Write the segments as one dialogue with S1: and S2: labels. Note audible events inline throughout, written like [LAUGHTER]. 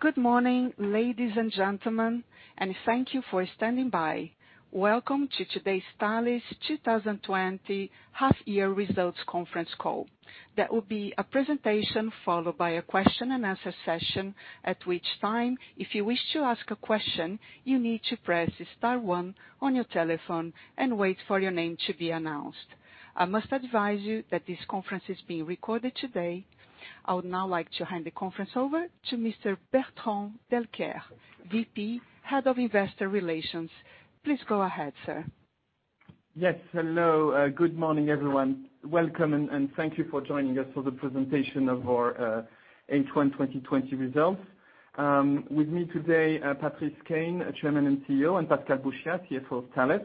S1: Good morning, ladies and gentlemen, and thank you for standing by. Welcome to today's Thales 2020 half-year results conference call. There will be a presentation followed by a question and answer session, at which time, if you wish to ask a question, you need to press star one on your telephone and wait for your name to be announced. I must advise you that this conference is being recorded today. I would now like to hand the conference over to Mr. Bertrand Delcaire, VP, Head of Investor Relations. Please go ahead, sir.
S2: Yes. Hello. Good morning, everyone. Welcome, and thank you for joining us for the presentation of our H1 2020 results. With me today, Patrice Caine, Chairman and CEO, and Pascal Bouchiat, CFO of Thales.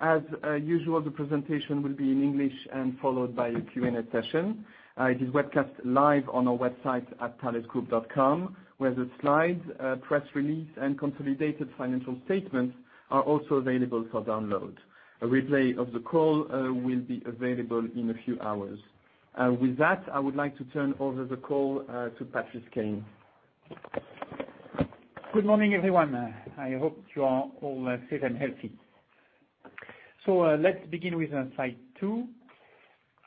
S2: As usual, the presentation will be in English and followed by a Q&A session. It is webcast live on our website at thalesgroup.com, where the slides, press release, and consolidated financial statements are also available for download. A replay of the call will be available in a few hours. With that, I would like to turn over the call to Patrice Caine.
S3: Good morning, everyone. I hope you are all safe and healthy. Let's begin with slide two.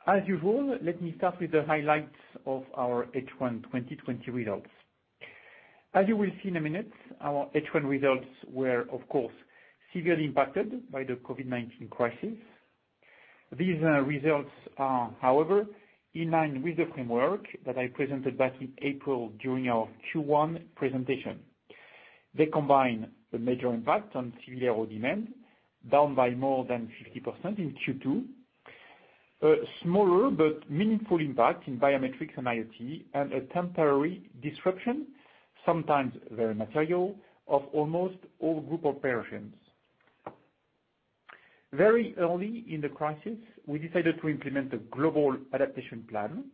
S3: As usual, let me start with the highlights of our H1 2020 results. As you will see in a minute, our H1 results were, of course, severely impacted by the COVID-19 crisis. These results are, however, in line with the framework that I presented back in April during our Q1 presentation. They combine the major impact on civil aero demand, down by more than 50% in Q2, a smaller but meaningful impact in biometrics and IoT, and a temporary disruption, sometimes very material, of almost all group operations. Very early in the crisis, we decided to implement a global adaptation plan,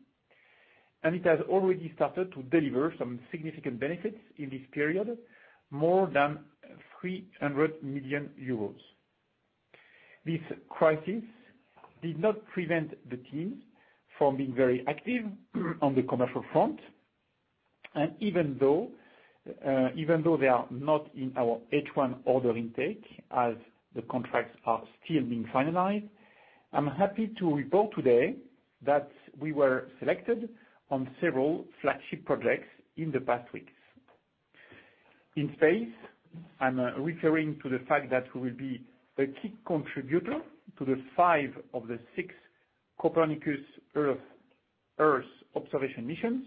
S3: and it has already started to deliver some significant benefits in this period, more than 300 million euros. This crisis did not prevent the teams from being very active on the commercial front. Even though they are not in our H1 order intake, as the contracts are still being finalized, I'm happy to report today that we were selected on several flagship projects in the past weeks. In space, I'm referring to the fact that we will be a key contributor to the five of the six Copernicus Earth Observation missions,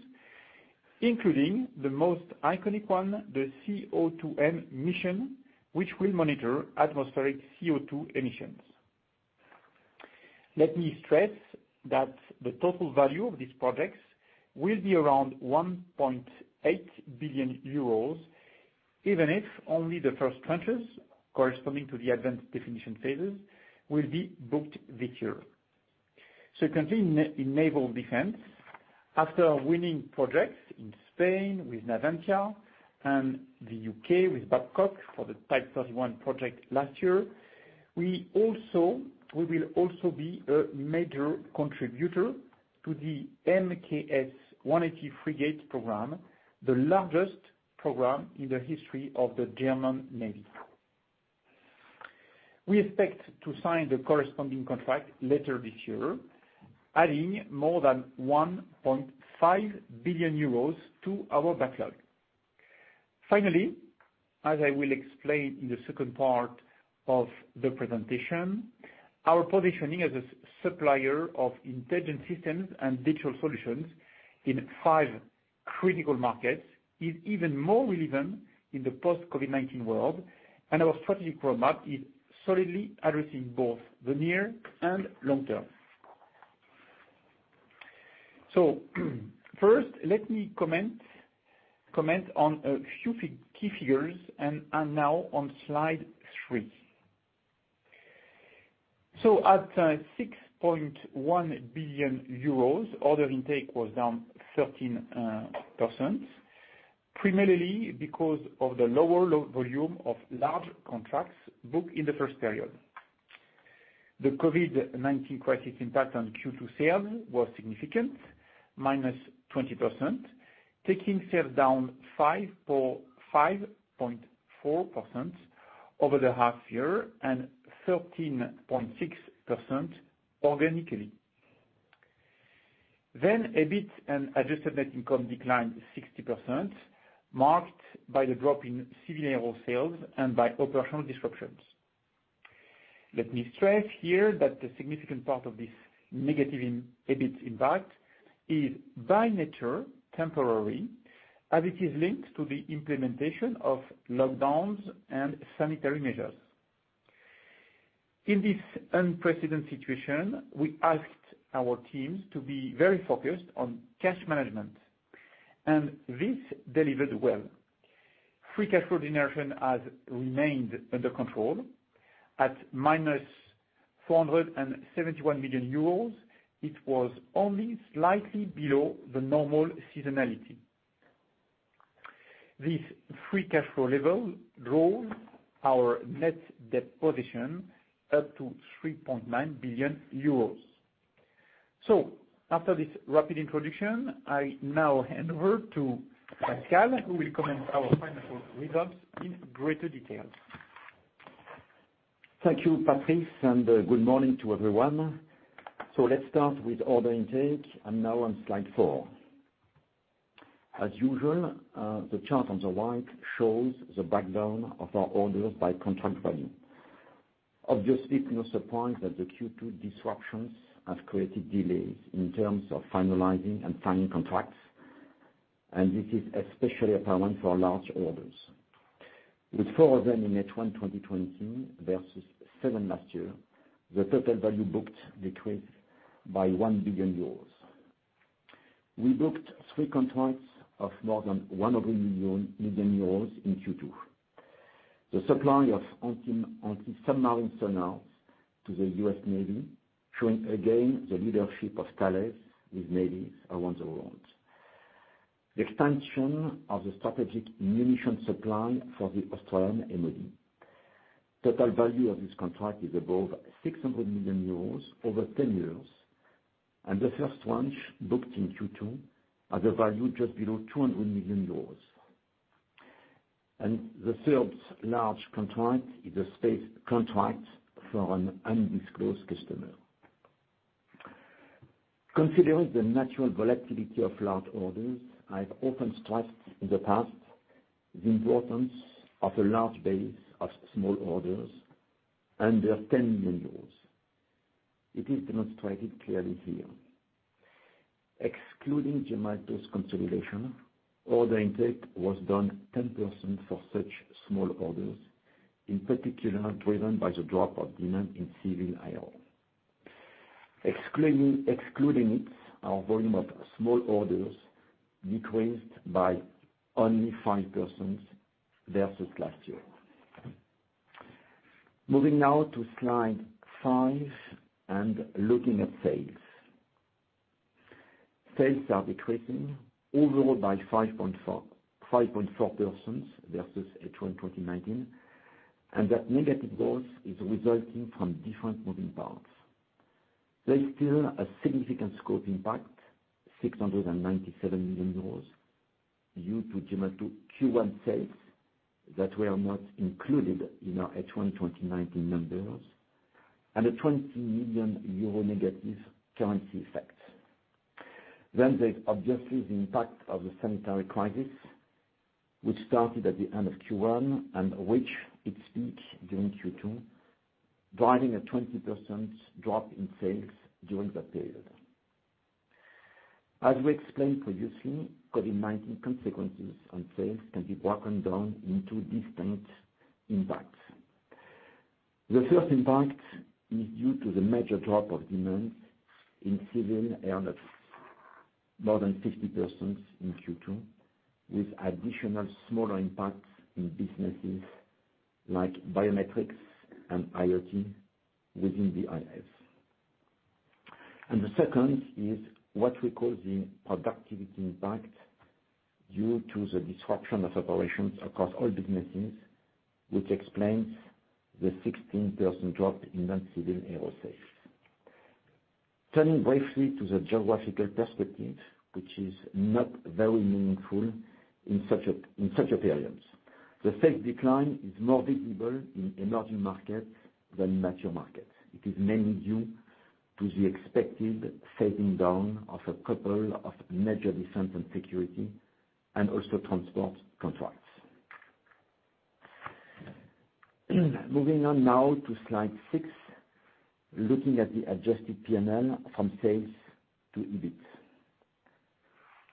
S3: including the most iconic one, the CO2M mission, which will monitor atmospheric CO2 emissions. Let me stress that the total value of these projects will be around 1.8 billion euros, even if only the first tranches corresponding to the advanced definition phases will be booked this year. In naval defense, after winning projects in Spain with Navantia and the U.K. with Babcock for the Type 31 project last year, we will also be a major contributor to the MKS 180 Frigate program, the largest program in the history of the German Navy. We expect to sign the corresponding contract later this year, adding more than 1.5 billion euros to our backlog. As I will explain in the second part of the presentation, our positioning as a supplier of intelligent systems and digital solutions in five critical markets is even more relevant in the post-COVID-19 world, our strategic roadmap is solidly addressing both the near and long term. First, let me comment on a few key figures, and now on slide three. At 6.1 billion euros, order intake was down 13%, primarily because of the lower volume of large contracts booked in the first period. The COVID-19 crisis impact on Q2 sales was significant, -20%, taking sales down 5.4% over the half year and 13.6% organically. EBIT and adjusted net income declined 60%, marked by the drop in civil aero sales and by operational disruptions. Let me stress here that the significant part of this negative EBIT impact is by nature temporary, as it is linked to the implementation of lockdowns and sanitary measures. In this unprecedented situation, we asked our teams to be very focused on cash management, and this delivered well. Free cash flow generation has remained under control. At -471 million euros, it was only slightly below the normal seasonality. This free cash flow level drove our net debt position up to 3.9 billion euros. After this rapid introduction, I now hand over to Pascal, who will comment our financial results in greater detail.
S4: Thank you, Patrice, and good morning to everyone. Let's start with order intake and now on slide four. As usual, the chart on the right shows the breakdown of our orders by contract value. Obviously, we are surprised that the Q2 disruptions have created delays in terms of finalizing and signing contracts, and this is especially apparent for large orders. With four of them in H1 2020 versus seven last year, the total value booked decreased by 1 billion euros. We booked three contracts of more than 100 million in Q2. The supply of anti-submarine sonars to the US Navy, showing again the leadership of Thales with navies around the world. The expansion of the strategic munition supply for the Australian MOD. Total value of this contract is above €600 million over 10 years, and the first tranche booked in Q2 has a value just below 200 million euros. The third large contract is a space contract for an undisclosed customer. Considering the natural volatility of large orders, I've often stressed in the past the importance of a large base of small orders under 10 million euros. It is demonstrated clearly here. Excluding Gemalto's consolidation, order intake was down 10% for such small orders, in particular, driven by the drop of demand in civil air. Excluding it, our volume of small orders decreased by only 5% versus last year. Moving now to slide five and looking at sales. Sales are decreasing overall by 5.4% versus H1 2019, and that negative growth is resulting from different moving parts. There's still a significant scope impact, 697 million euros due to Gemalto Q1 sales that were not included in our H1 2019 numbers, and a 20 million euro negative currency effect. There's obviously the impact of the sanitary crisis, which started at the end of Q1 and which hit its peak during Q2, driving a 20% drop in sales during that period. As we explained previously, COVID-19 consequences on sales can be broken down into distinct impacts. The first impact is due to the major drop of demand in civil aero, more than 50% in Q2, with additional smaller impacts in businesses like biometrics and IoT within the DIS. The second is what we call the productivity impact due to the disruption of operations across all businesses, which explains the 16% drop in non-civil aero sales. Turning briefly to the geographical perspective, which is not very meaningful in such a period. The sales decline is more visible in emerging markets than mature markets. It is mainly due to the expected fading down of a couple of major defense and security and also transport contracts. Moving on now to slide six, looking at the adjusted P&L from sales to EBIT.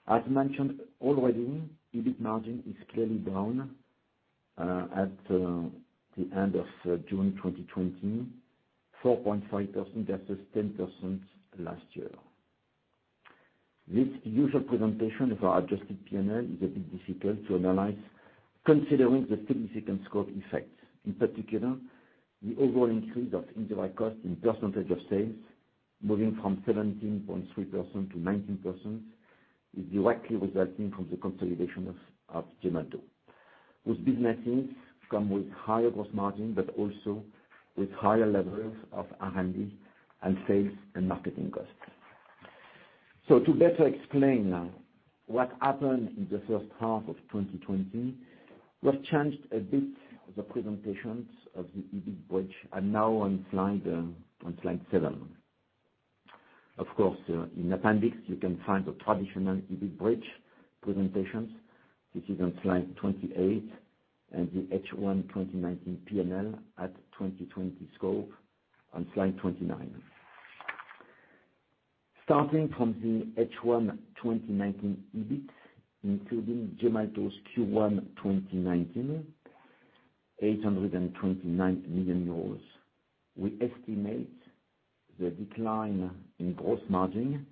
S4: As mentioned already, EBIT margin is clearly down at the end of June 2020, 4.5% versus 10% last year. This usual presentation of our adjusted P&L is a bit difficult to analyze considering the significant scope effects. In particular, the overall increase of indirect costs in percentage of sales, moving from 17.3%-19%, is directly resulting from the consolidation of Gemalto, whose businesses come with higher gross margin, but also with higher levels of R&D and sales and marketing costs. To better explain what happened in the first half of 2020, we have changed a bit the presentation of the EBIT bridge and now on slide seven. Of course, in appendix, you can find the traditional EBIT bridge presentations. This is on slide 28, and the H1 2019 P&L at 2020 scope on slide 29. Starting from the H1 2019 EBIT, including Gemalto's Q1 2019, 829 million euros, we estimate the decline in gross margin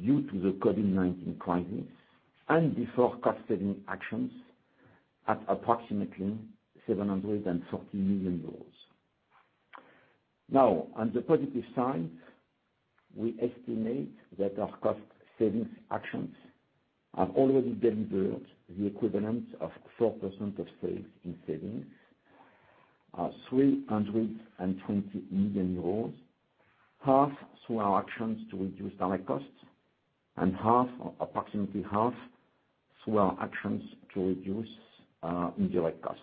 S4: due to the COVID-19 crisis and the cost-saving actions at approximately 740 million euros. Now, on the positive side, we estimate that our cost savings actions have already delivered the equivalent of 4% of sales in savings 320 million euros, half through our actions to reduce direct costs and approximately half through our actions to reduce indirect costs.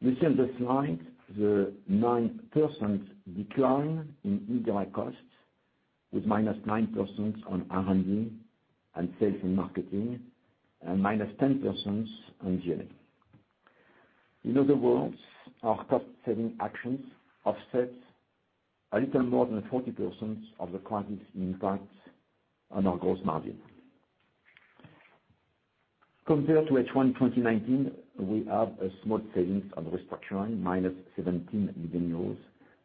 S4: You see on the slide, the 9% decline in indirect costs, with -9% on R&D and sales and marketing, and -10% on GA. In other words, our cost-saving actions offset a little more than 40% of the crisis' impact on our gross margin. Compared to H1 2019, we have a small savings on restructuring, -17 million euros,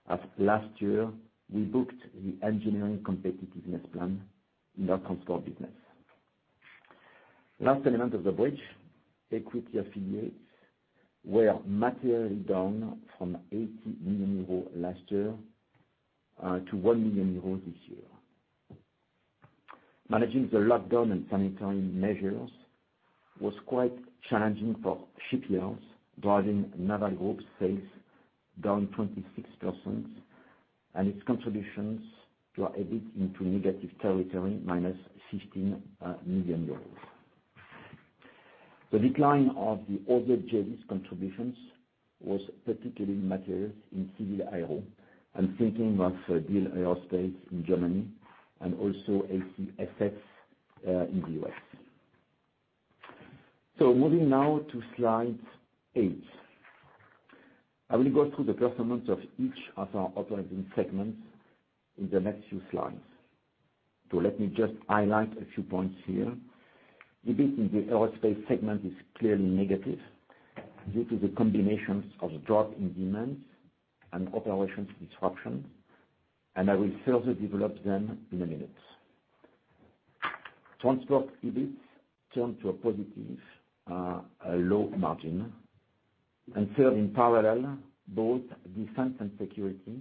S4: as last year we booked the engineering competitiveness plan in our transport business. Last element of the bridge, equity affiliates were materially down from 80 million euros last year to 1 million euros this year. Managing the lockdown and sanitary measures was quite challenging for shipyards, driving Naval Group sales down 26% and its contributions to our EBIT into negative territory, -15 million euros. The decline of the other JV's contributions was particularly material in civil aero. I'm thinking of Diehl Aerospace in Germany, and also ACSS in the U.S. Moving now to slide eight. I will go through the performance of each of our operating segments in the next few slides. Let me just highlight a few points here. EBIT in the aerospace segment is clearly negative due to the combinations of drop in demand and operations disruption, I will further develop them in a minute. Transport EBIT turned to a positive, low margin and third in parallel, both Defense & Security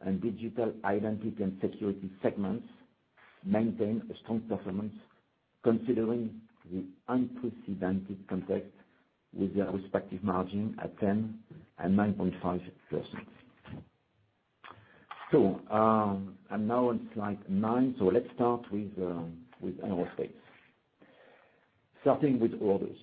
S4: and Digital Identity and Security segments maintain a strong performance considering the unprecedented context with their respective margin at 10% and 9.5%. I'm now on slide nine. Let's start with aerospace. Starting with orders.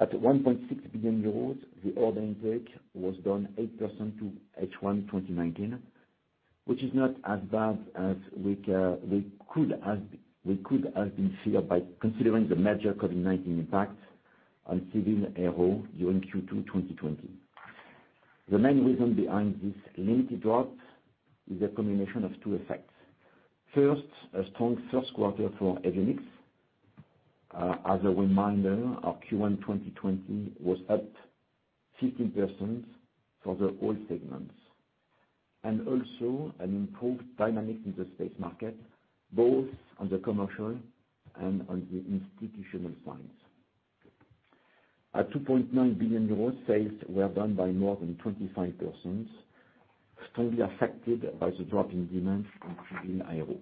S4: At 1.6 billion euros, the order intake was down 8% to H1 2019, which is not as bad as we could have been feared by considering the major COVID-19 impact on civil aero during Q2 2020. The main reason behind this limited drop is a combination of two effects. First, a strong first quarter for avionics. As a reminder, our Q1 2020 was up 15% for the all segments. Also an improved dynamic in the space market, both on the commercial and on the institutional sides. At 2.9 billion euros, sales were down by more than 25%, strongly affected by the drop in demand in civil aero.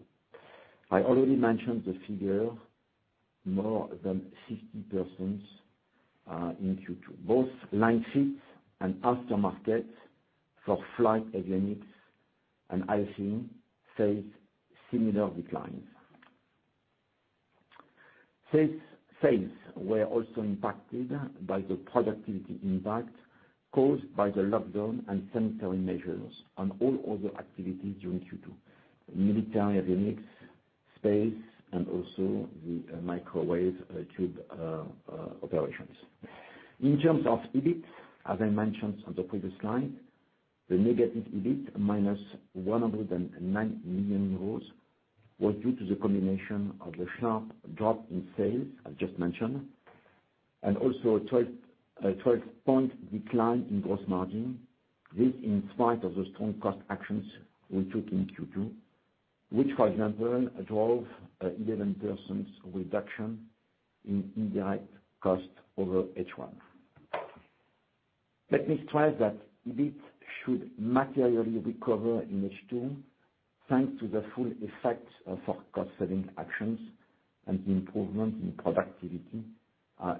S4: I already mentioned the figure more than 60% in Q2. Both line seats and aftermarket for flight avionics and ICU face similar declines. Sales were also impacted by the productivity impact caused by the lockdown and sanitary measures on all other activities during Q2, military avionics, space, and also the microwave tube operations. In terms of EBIT, as I mentioned on the previous slide, the negative EBIT, -109 million euros, was due to the combination of the sharp drop in sales I've just mentioned and also a 12-point decline in gross margin. This in spite of the strong cost actions we took in Q2, which, for example, drove 11% reduction in indirect cost over H1. Let me stress that EBIT should materially recover in H2 thanks to the full effect of our cost-saving actions and the improvement in productivity,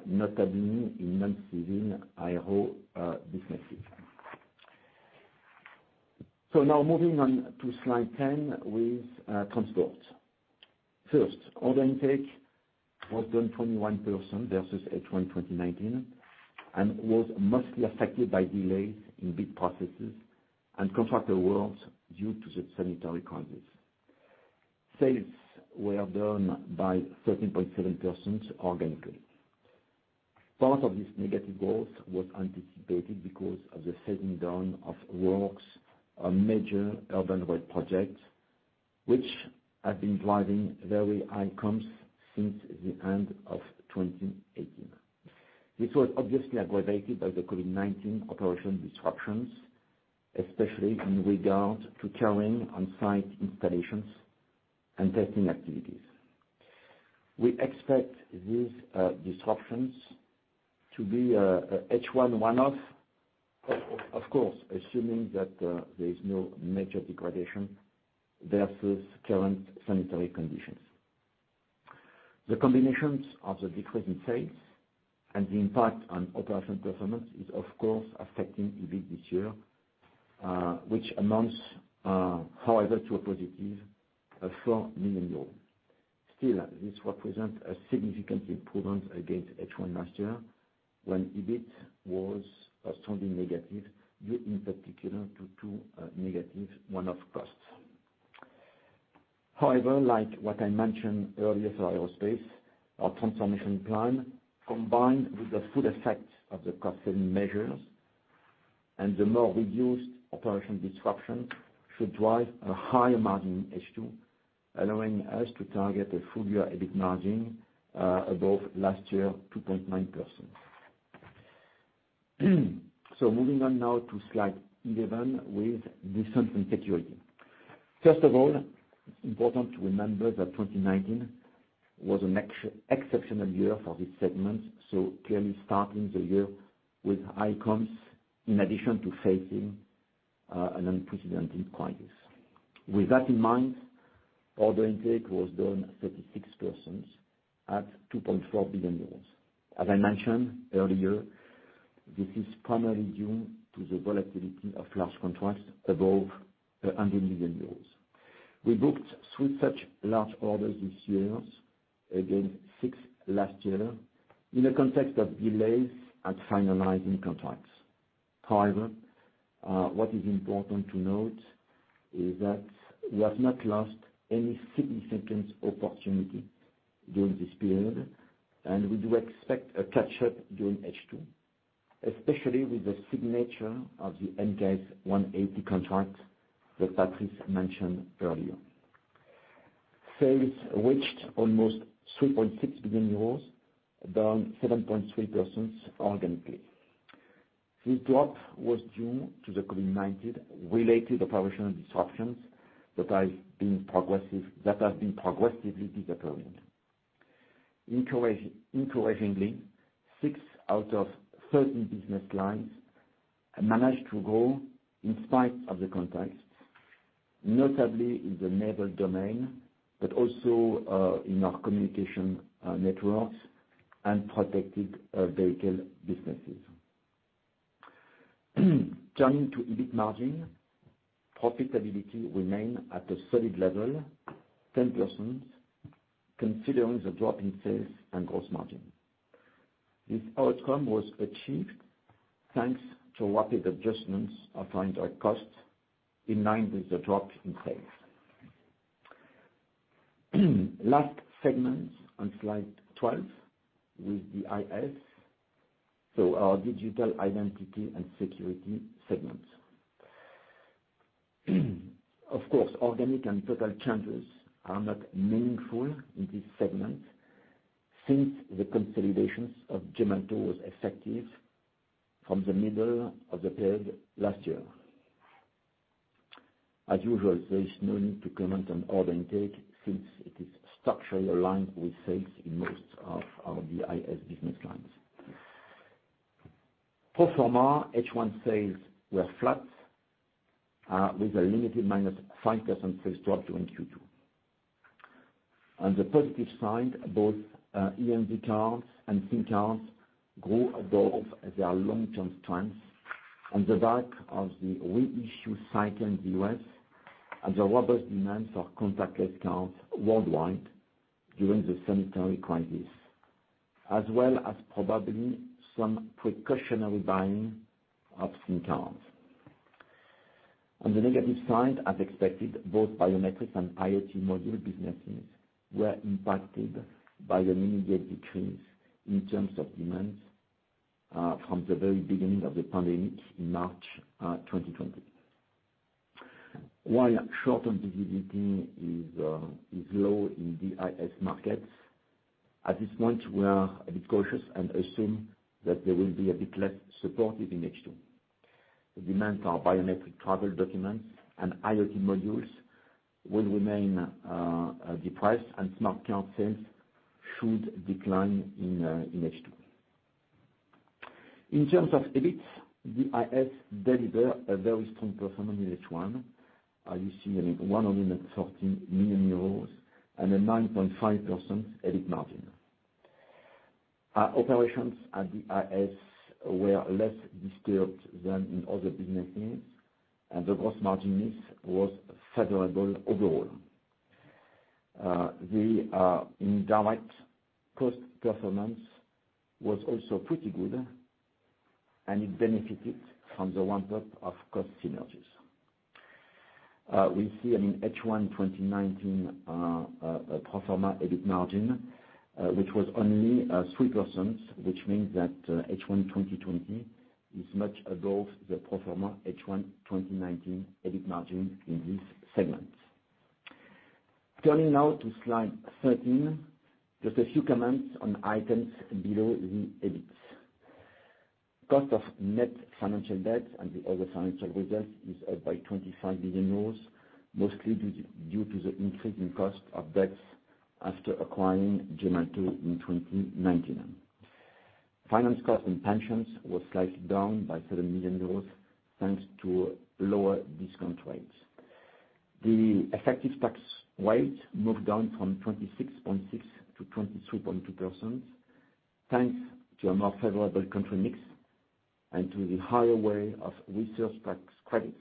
S4: notably in non-civil aero businesses. Now moving on to slide 10 with transport. First, order intake was down 21% versus H1 2019 and was mostly affected by delays in bid processes and contractor awards due to the sanitary crisis. Sales were down by 13.7% organically. Part of this negative growth was anticipated because of the setting down of works on major urban road projects, which have been driving very high comps since the end of 2018. This was obviously aggravated by the COVID-19 operation disruptions, especially in regard to carrying on-site installations and testing activities. We expect these disruptions to be H1 one-off, of course, assuming that there is no major degradation versus current sanitary conditions. The combinations of the decrease in sales and the impact on operational performance is, of course, affecting EBIT this year, which amounts, however, to a +4 million euros. Still, this represents a significant improvement against H1 last year, when EBIT was strongly negative, due in particular to two negative one-off costs. However, like what I mentioned earlier for aerospace, our transformation plan, combined with the full effect of the cost saving measures and the more reduced operational disruptions, should drive a higher margin in H2, allowing us to target a full-year EBIT margin above last year's 2.9%. Moving on now to slide 11 with defense and security. First of all, important to remember that 2019 was an exceptional year for this segment. Clearly starting the year with high comps in addition to facing an unprecedented crisis. With that in mind, order intake was down 36% at 2.4 billion euros. As I mentioned earlier, this is primarily due to the volatility of large contracts above 100 million euros. We booked three such large orders this year, against six last year, in a context of delays at finalizing contracts. However, what is important to note is that we have not lost any significant opportunity during this period, and we do expect a catch-up during H2, especially with the signature of the MKS 180 contract that Patrice mentioned earlier. Sales reached almost 3.6 billion euros, down 7.3% organically. This drop was due to the COVID-19-related operational disruptions that have been progressively disappearing. Encouragingly, six out of 13 business lines managed to grow in spite of the context, notably in the naval domain, but also in our communication networks and protected vehicle businesses. Turning to EBIT margin, profitability remained at a solid level, 10%, considering the drop in sales and gross margin. This outcome was achieved thanks to rapid adjustments of indirect costs in line with the drop in sales. Last segment on slide 12 with DIS. Our Digital Identity and Security segment. Of course, organic and total changes are not meaningful in this segment since the consolidations of Gemalto was effective from the middle of the period last year. As usual, there is no need to comment on order intake since it is structurally aligned with sales in most of our DIS business lines. Pro forma, H1 sales were flat, with a limited -5% sales drop during Q2. On the positive side, both EMV cards and SIM cards grew above their long-term trends on the back of the re-issue cycle in the U.S. and the robust demand for contactless cards worldwide during the sanitary crisis. As well as probably some precautionary buying of SIM cards. On the negative side, as expected, both biometric and IoT module businesses were impacted by an immediate decrease in terms of demand from the very beginning of the pandemic in March 2020. While short-term visibility is low in DIS markets, at this point, we are a bit cautious and assume that they will be a bit less supportive in H2. The demands for biometric travel documents and IoT modules will remain depressed and smart card sales should decline in H2. In terms of EBIT, DIS delivered a very strong performance in H1. You see 114 million euros and a 9.5% EBIT margin. Our operations at DIS were less disturbed than in other businesses, and the gross margin mix was favorable overall. The indirect cost performance was also pretty good, and it benefited from the ramp-up of cost synergies. We see H1 2019 pro forma EBIT margin, which was only 3%, which means that H1 2020 is much above the pro forma H1 2019 EBIT margin in this segment. Turning now to slide 13, just a few comments on items below the EBITs. Cost of net financial debt and the other financial results is up by 25 million euros, mostly due to the increase in cost of debts after acquiring Gemalto in 2019. Finance cost and pensions was slightly down by 7 million euros, thanks to lower discount rates. The effective tax rate moved down from 26.6% to 22.2%, thanks to a more favorable country mix, and to the higher rate of research tax credits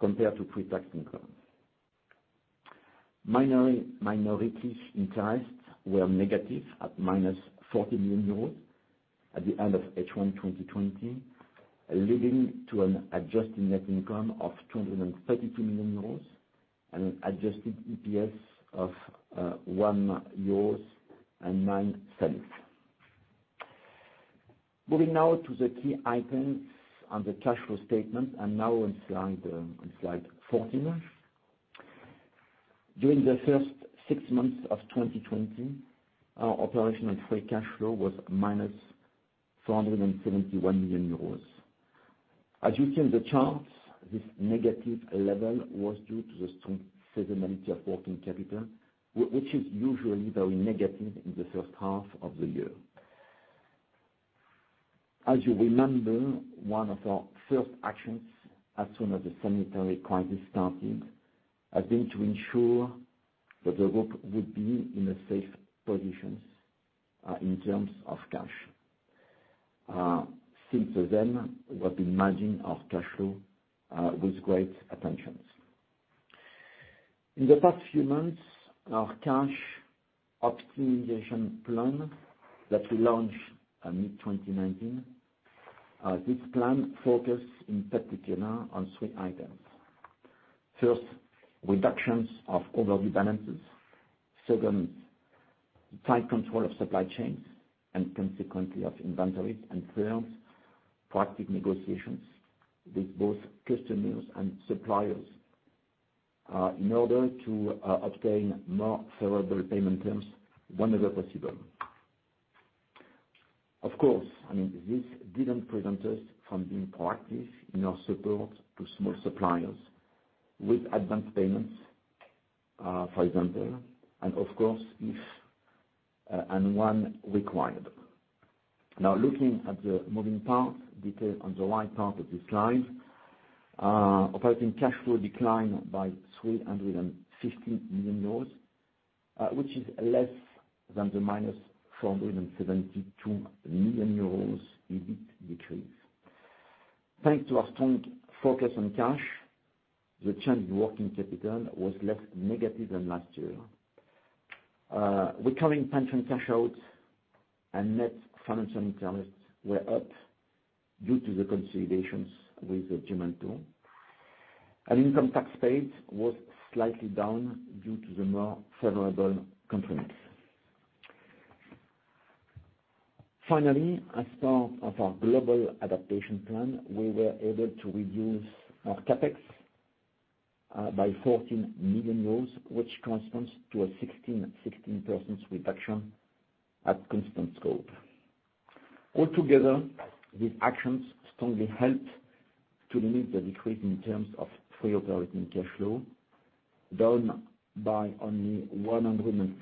S4: compared to pre-tax income. Minority interests were negative at -40 million euros at the end of H1 2020, leading to an adjusted net income of 232 million euros and an adjusted EPS of 1.09 euros. Moving now to the key items on the cash flow statement, and now on slide 14. During the first six months of 2020, our operational free cash flow was minus 471 million euros. As you see in the charts, this negative level was due to the strong seasonality of working capital, which is usually very negative in the first half of the year. As you remember, one of our first actions as soon as the sanitary crisis started, had been to ensure that the group would be in a safe position in terms of cash. Since then, we've been managing our cash flow with great attention. In the past few months, our cash optimization plan that we launched in mid-2019, this plan focus in particular on three items. First, reductions of overall balances. Second, tight control of supply chains, and consequently, of inventory and terms. Practical negotiations with both customers and suppliers, in order to obtain more favorable payment terms whenever possible. Of course, this didn't prevent us from being proactive in our support to small suppliers with advanced payments, for example, and of course, if and when required. Now, looking at the moving parts, detailed on the right part of this slide. Operating cash flow declined by 350 million euros, which is less than the minus 472 million euros EBIT decrease. Thanks to our strong focus on cash, the change in working capital was less negative than last year. Recovering pension cash outs and net financial interest were up due to the consolidations with Gemalto. Income tax paid was slightly down due to the more favorable country mix. Finally, as part of our global adaptation plan, we were able to reduce our CapEx by 14 million euros, which corresponds to a 16% reduction at constant scope. All together, these actions strongly helped to limit the decrease in terms of free operating cash flow, down by only 139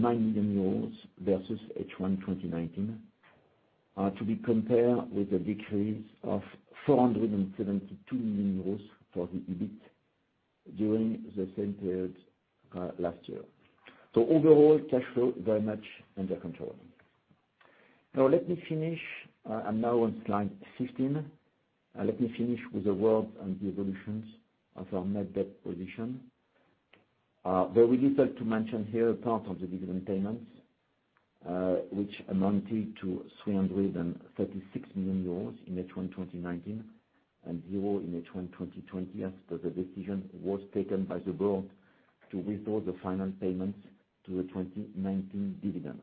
S4: million euros versus H1 2019, to be compared with a decrease of 472 million euros for the EBIT during the same period last year. Overall, cash flow very much under control. Now let me finish. I'm now on slide 15. Let me finish with a word on the evolutions of our net debt position. Very little to mention here apart of the dividend payments, which amounted to 336 million euros in H1 2019 and 0 in H1 2020, after the decision was taken by the board to withdraw the final payments to the 2019 dividends.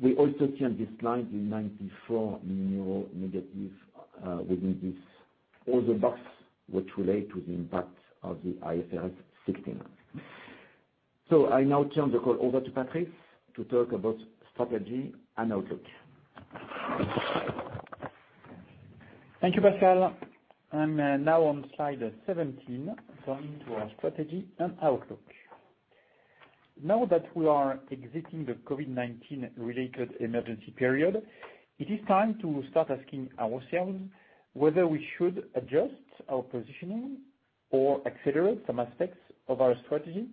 S4: We also see on this slide the 94 million negative within this other box which relate to the impact of the IFRS 16. I now turn the call over to Patrice to talk about strategy and outlook.
S3: Thank you, Pascal. I'm now on slide 17, going to our strategy and outlook. Now that we are exiting the COVID-19 related emergency period, it is time to start asking ourselves whether we should adjust our positioning or accelerate some aspects of our strategy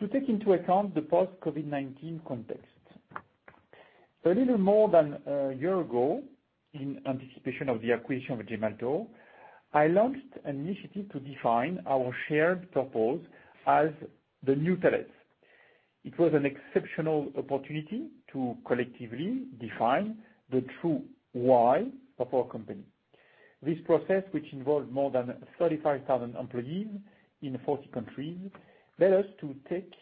S3: to take into account the post-COVID-19 context. A little more than a year ago, in anticipation of the acquisition of Gemalto, I launched an initiative to define our shared purpose as the new Thales. It was an exceptional opportunity to collectively define the true why of our company. This process, which involved more than 35,000 employees in 40 countries, led us to take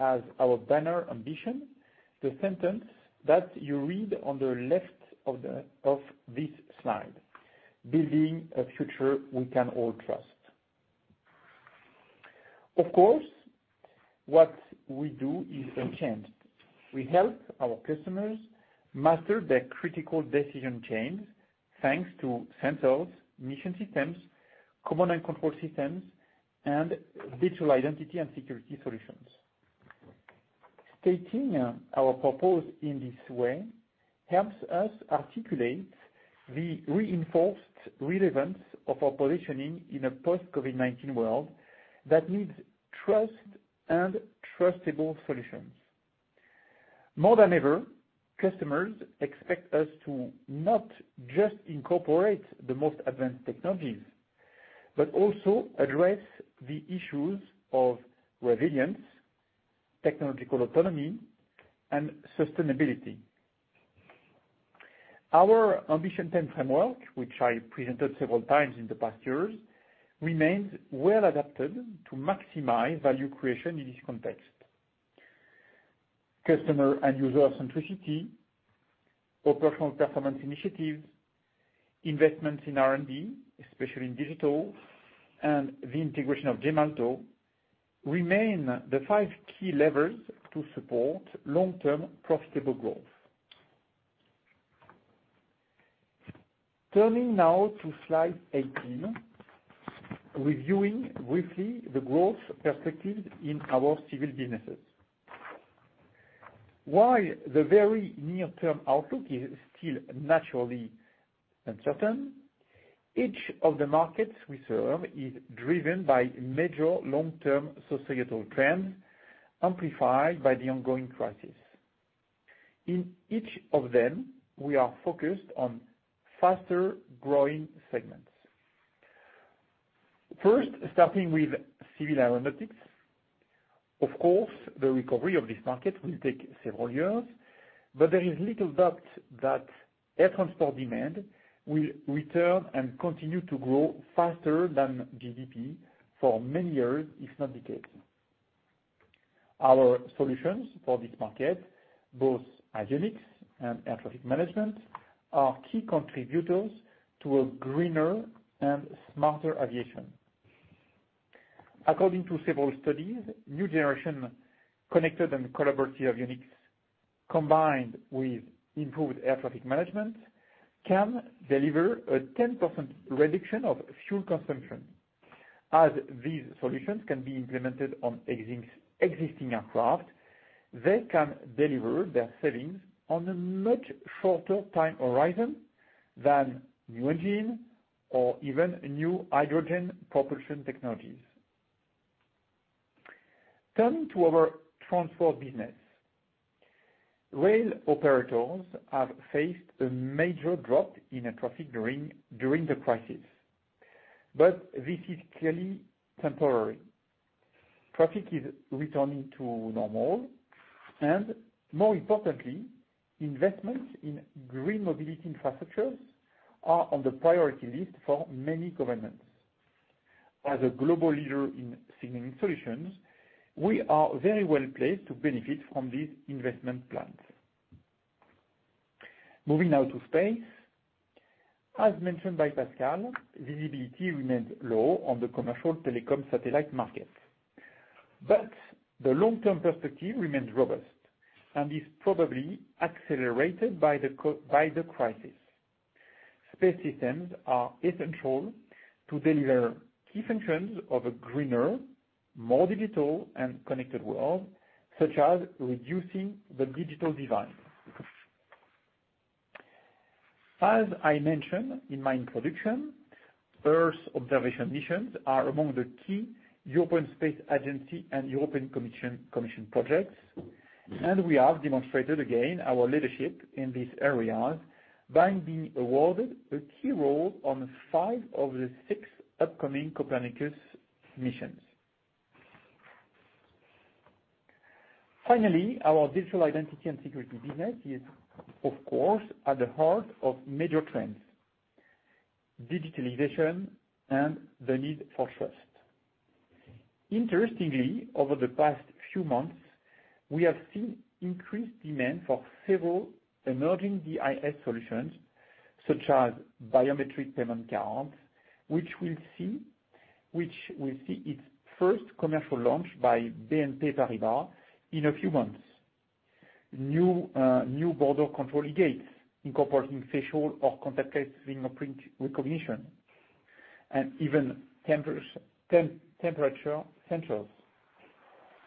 S3: as our banner ambition, the sentence that you read on the left of this slide, "Building a future we can all trust." Of course, what we do is unchanged. We help our customers master their critical decision chains, thanks to sensors, mission systems, command and control systems, and Digital Identity and Security solutions. Stating our purpose in this way helps us articulate the reinforced relevance of our positioning in a post-COVID-19 world that needs trust and trustable solutions. More than ever, customers expect us to not just incorporate the most advanced technologies, but also address the issues of resilience, technological autonomy, and sustainability. Our Ambition 10 framework, which I presented several times in the past years, remains well-adapted to maximize value creation in this context. Customer and user centricity, operational performance initiatives, investments in R&D, especially in digital, and the integration of Gemalto, remain the five key levers to support long-term profitable growth. Turning now to slide 18, reviewing briefly the growth perspective in our civil businesses. While the very near-term outlook is still naturally uncertain, each of the markets we serve is driven by major long-term societal trends amplified by the ongoing crisis. In each of them, we are focused on faster-growing segments. First, starting with civil aeronautics. Of course, the recovery of this market will take several years, but there is little doubt that air transport demand will return and continue to grow faster than GDP for many years, if not decades. Our solutions for this market, both avionics and air traffic management, are key contributors to a greener and smarter aviation. According to several studies, new generation connected and collaborative avionics, combined with improved air traffic management, can deliver a 10% reduction of fuel consumption. As these solutions can be implemented on existing aircraft, they can deliver their savings on a much shorter time horizon than new engine or even new hydrogen propulsion technologies. Turning to our transport business. Rail operators have faced a major drop in air traffic during the crisis, but this is clearly temporary. Traffic is returning to normal, and more importantly, investments in green mobility infrastructures are on the priority list for many governments. As a global leader in signaling solutions, we are very well-placed to benefit from these investment plans. Moving now to space. As mentioned by Pascal, visibility remains low on the commercial telecom satellite market, but the long-term perspective remains robust and is probably accelerated by the crisis. Space systems are essential to deliver key functions of a greener, more digital, and connected world, such as reducing the digital divide. As I mentioned in my introduction, Earth observation missions are among the key European Space Agency and European Commission projects, and we have demonstrated, again, our leadership in these areas by being awarded a key role on five of the six upcoming Copernicus missions. Finally, our Digital Identity and Security business is, of course, at the heart of major trends, digitalization, and the need for trust. Interestingly, over the past few months, we have seen increased demand for several emerging DIS solutions, such as biometric payment cards, which we see its first commercial launch by BNP Paribas in a few months, new border control e-gates incorporating facial or contactless fingerprint recognition, and even temperature sensors,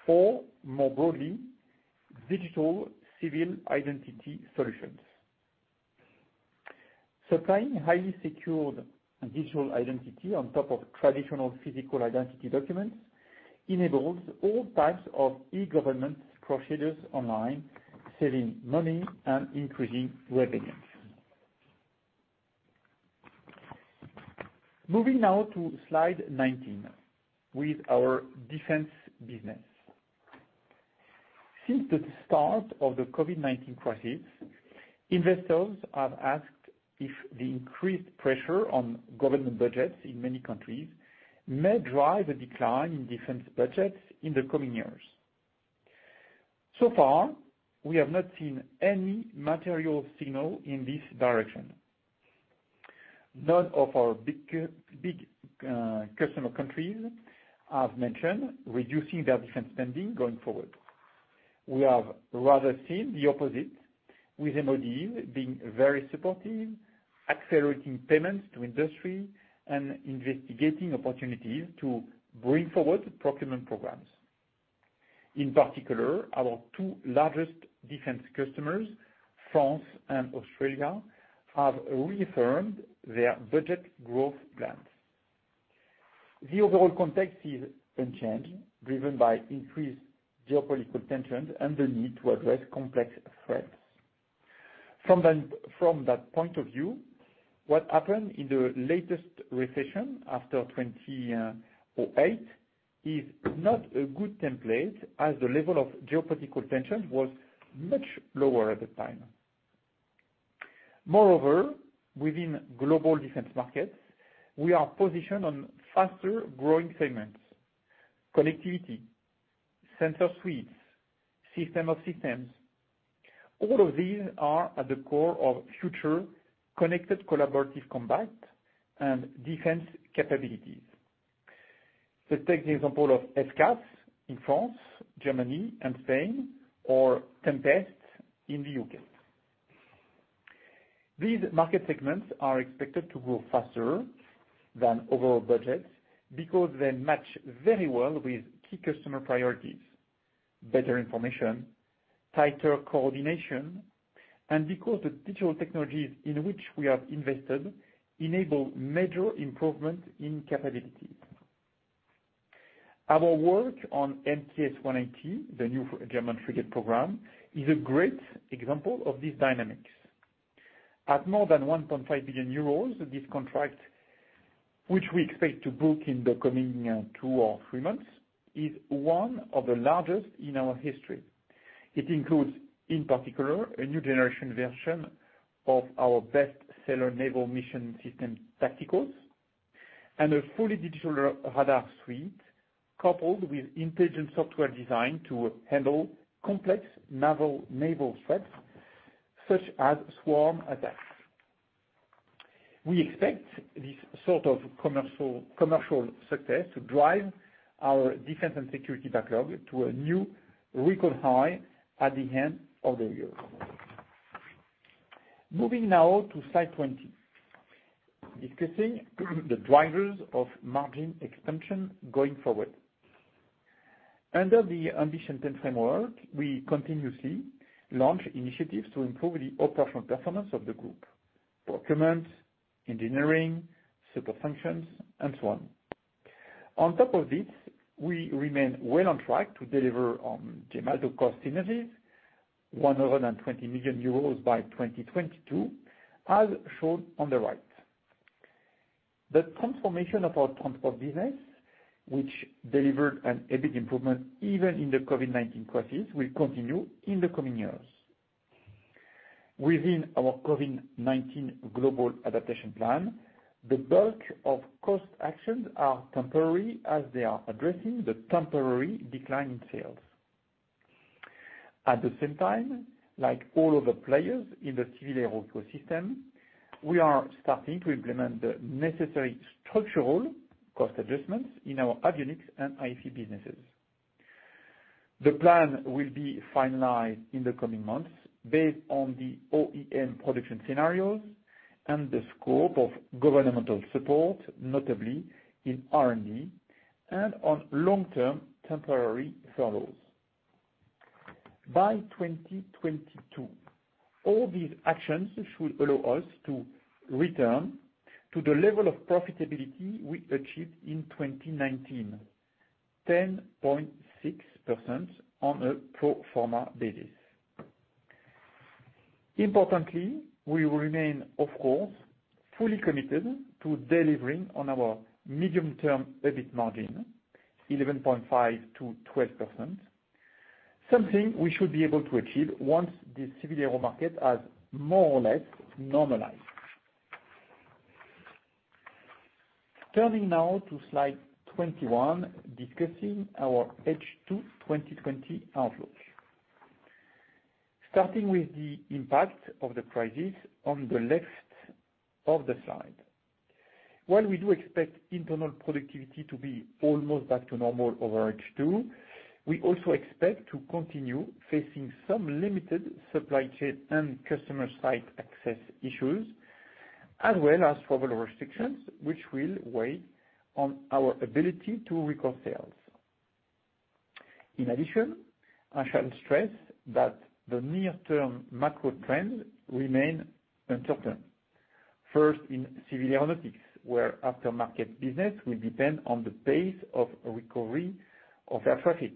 S3: or more broadly, digital civil identity solutions. Supplying highly secured digital identity on top of traditional physical identity documents enables all types of e-government procedures online, saving money and increasing resilience. Moving now to slide 19 with our defense business. Since the start of the COVID-19 crisis, investors have asked if the increased pressure on government budgets in many countries may drive a decline in defense budgets in the coming years. So far, we have not seen any material signal in this direction. None of our big customer countries have mentioned reducing their defense spending going forward. We have rather seen the opposite. With MoD being very supportive, accelerating payments to industry, and investigating opportunities to bring forward procurement programs. In particular, our two largest defense customers, France and Australia, have reaffirmed their budget growth plans. The overall context is unchanged, driven by increased geopolitical tensions and the need to address complex threats. From that point of view, what happened in the latest recession after 2008 is not a good template as the level of geopolitical tension was much lower at the time. Moreover, within global defense markets, we are positioned on faster-growing segments, connectivity, sensor suites, system of systems. All of these are at the core of future connected collaborative combat and defense capabilities. Take the example of SCAF in France, Germany, and Spain, or Tempest in the U.K. These market segments are expected to grow faster than overall budgets because they match very well with key customer priorities, better information, tighter coordination, and because the digital technologies in which we have invested enable major improvement in capability. Our work on MKS 180, the new German frigate program, is a great example of these dynamics. At more than 1.5 billion euros, this contract, which we expect to book in the coming two or three months, is one of the largest in our history. It includes, in particular, a new generation version of our best seller naval mission system Tacticos and a fully digital radar suite coupled with intelligent software designed to handle complex naval threats, such as swarm attacks. We expect this sort of commercial success to drive our defense and security backlog to a new record high at the end of the year. Moving now to slide 20, discussing the drivers of margin expansion going forward. Under the Ambition 10 framework, we continuously launch initiatives to improve the operational performance of the group, procurement, engineering, support functions, and so on. On top of this, we remain well on track to deliver on Gemalto cost synergies, 120 million euros by 2022, as shown on the right. The transformation of our transport business, which delivered an EBIT improvement even in the COVID-19 crisis, will continue in the coming years. Within our COVID-19 global adaptation plan, the bulk of cost actions are temporary as they are addressing the temporary decline in sales. At the same time, like all other players in the civil aero ecosystem, we are starting to implement the necessary structural cost adjustments in our avionics and IFE businesses. The plan will be finalized in the coming months based on the OEM production scenarios and the scope of governmental support, notably in R&D and on long-term temporary furloughs. By 2022, all these actions should allow us to return to the level of profitability we achieved in 2019, 10.6% on a pro forma basis. Importantly, we will remain, of course, fully committed to delivering on our medium-term EBIT margin, 11.5%-12%, something we should be able to achieve once the civil aero market has more or less normalized. Turning now to slide 21, discussing our H2 2020 outlook. Starting with the impact of the crisis on the left of the slide. While we do expect internal productivity to be almost back to normal over H2, we also expect to continue facing some limited supply chain and customer site access issues, as well as travel restrictions, which will weigh on our ability to record sales. In addition, I shall stress that the near-term macro trends remain uncertain. First, in civil aeronautics, where after-market business will depend on the pace of recovery of air traffic.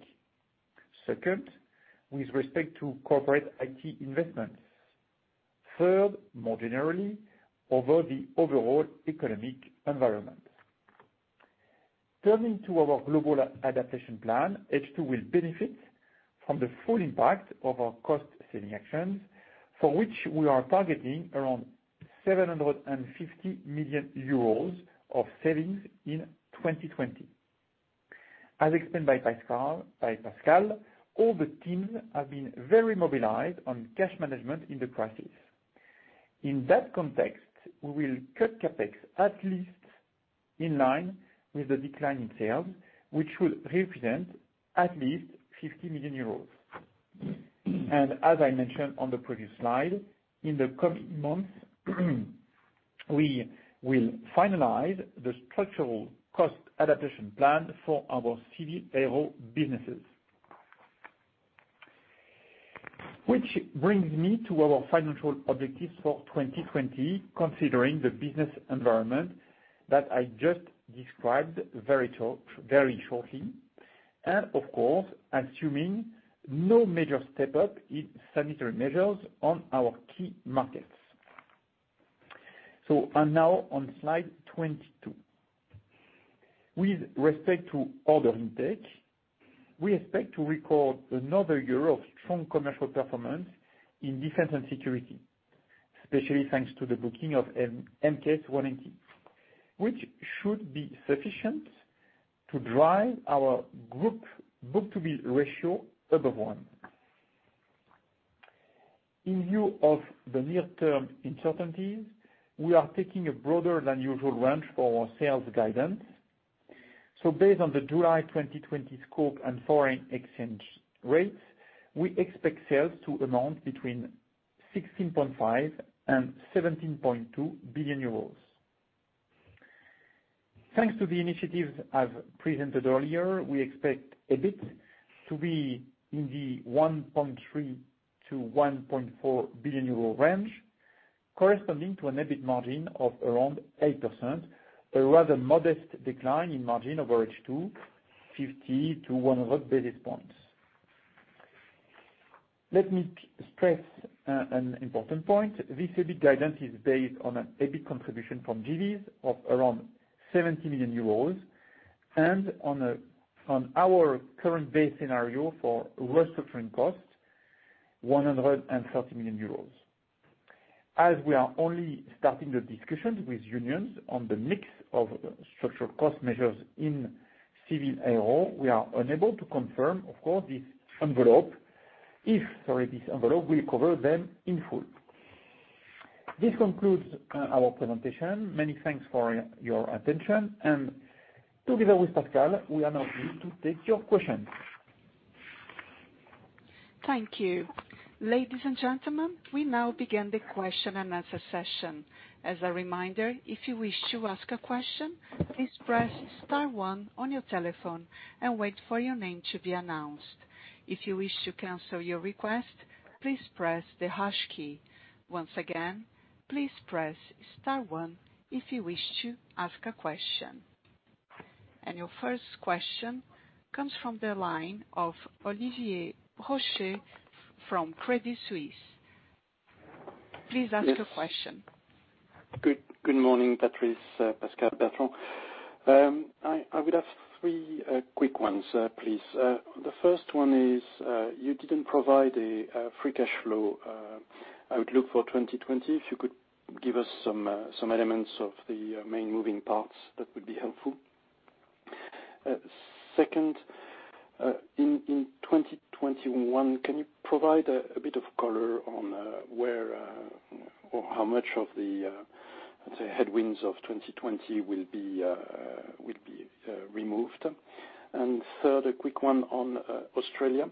S3: Second, with respect to corporate IT investments. Third, more generally, over the overall economic environment. Turning to our global adaptation plan, H2 will benefit from the full impact of our cost-saving actions, for which we are targeting around 750 million euros of savings in 2020. As explained by Pascal, all the teams have been very mobilized on cash management in the crisis. In that context, we will cut CapEx at least in line with the decline in sales, which will represent at least 50 million euros. As I mentioned on the previous slide, in the coming months, we will finalize the structural cost adaptation plan for our civil aero businesses. Which brings me to our financial objectives for 2020, considering the business environment that I just described very shortly, and of course, assuming no major step-up in sanitary measures on our key markets. I'm now on slide 22. With respect to order intake, we expect to record another year of strong commercial performance in defense and security, especially thanks to the booking of MKS 180, which should be sufficient to drive our group book-to-bill ratio above one. In view of the near-term uncertainties, we are taking a broader than usual range for our sales guidance. Based on the July 2020 scope and foreign exchange rates, we expect sales to amount between 16.5 billion and 17.2 billion euros. Thanks to the initiatives I've presented earlier, we expect EBIT to be in the 1.3 billion-1.4 billion euro range, corresponding to an EBIT margin of around 8%, a rather modest decline in margin over H2, 50 basis points-100 basis points. Let me stress an important point. This EBIT guidance is based on an EBIT contribution from JVs of around 70 million euros and on our current base scenario for restructuring costs, 130 million euros. As we are only starting the discussions with unions on the mix of structural cost measures in civil aero, we are unable to confirm, of course, if this envelope will cover them in full. This concludes our presentation. Many thanks for your attention. Together with Pascal, we are now pleased to take your questions.
S1: Thank you. Ladies and gentlemen, we now begin the question-and-answer session. As a reminder, if you wish to ask a question, please press star one on your telephone and wait for your name to be announced. If you wish to cancel your request, please press the hash key. Once again, please press star one if you wish to ask a question. Your first question comes from the line of Olivier Brochet from Credit Suisse. Please ask your question.
S5: Good morning, Patrice, Pascal, Bertrand. I would have three quick ones, please. The first one is, you didn't provide a free cash flow outlook for 2020. If you could give us some elements of the main moving parts, that would be helpful. Second, in 2021, can you provide a bit of color on how much of the, let's say, headwinds of 2020 will be removed? Third, a quick one on Australia.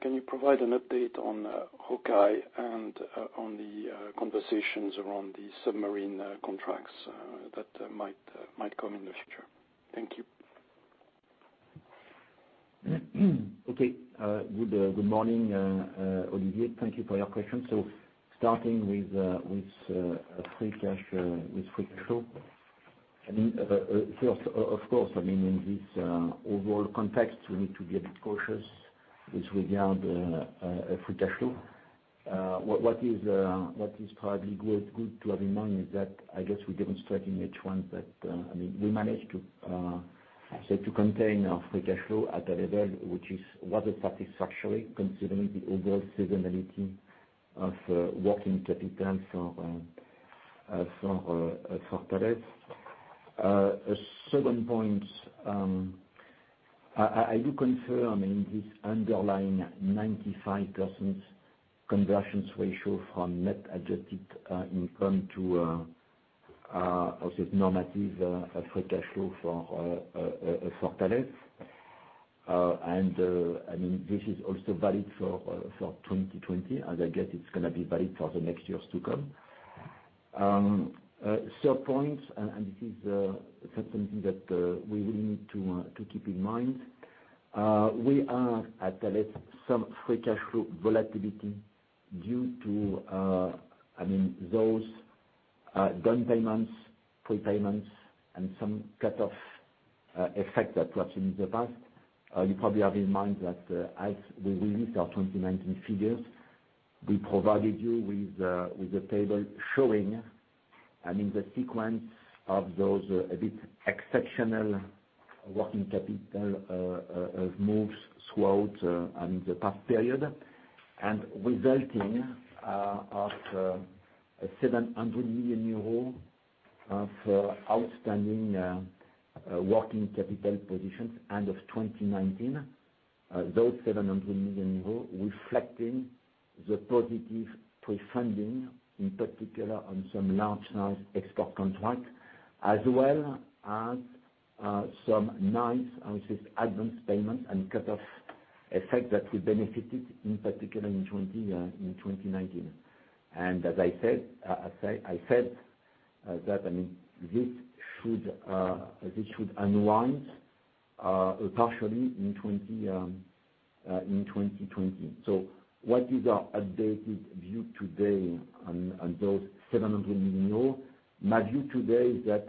S5: Can you provide an update on Hawkei and on the conversations around the submarine contracts that might come in the future? Thank you.
S4: Good morning, Olivier. Thank you for your question. Starting with free cash flow. Of course, in this overall context, we need to be a bit cautious with regard to free cash flow. What is probably good to have in mind is that I guess we demonstrated in H1 that we managed to contain our free cash flow at a level which was satisfactory considering the overall seasonality of working capital for Thales. A second point, I do confirm in this underlying 95% conversions ratio from net adjusted income to normative free cash flow for Thales. This is also valid for 2020, as I guess it's going to be valid for the next years to come. Third point, this is something that we will need to keep in mind. We are, at Thales, some free cash flow volatility due to those down payments, prepayments, and some cutoff effect that we have seen in the past. You probably have in mind that as we released our 2019 figures, we provided you with a table showing the sequence of those a bit exceptional working capital moves throughout the past period, and resulting of a EUR 700 million Of outstanding working capital positions end of 2019, those 700 million euros reflecting the positive pre-funding, in particular, on some large export contracts, as well as some nice advances payments and cut-off effect that we benefited in particular in 2019. As I said, this should unwind partially in 2020. What is our updated view today on those 700 million euros? My view today is that,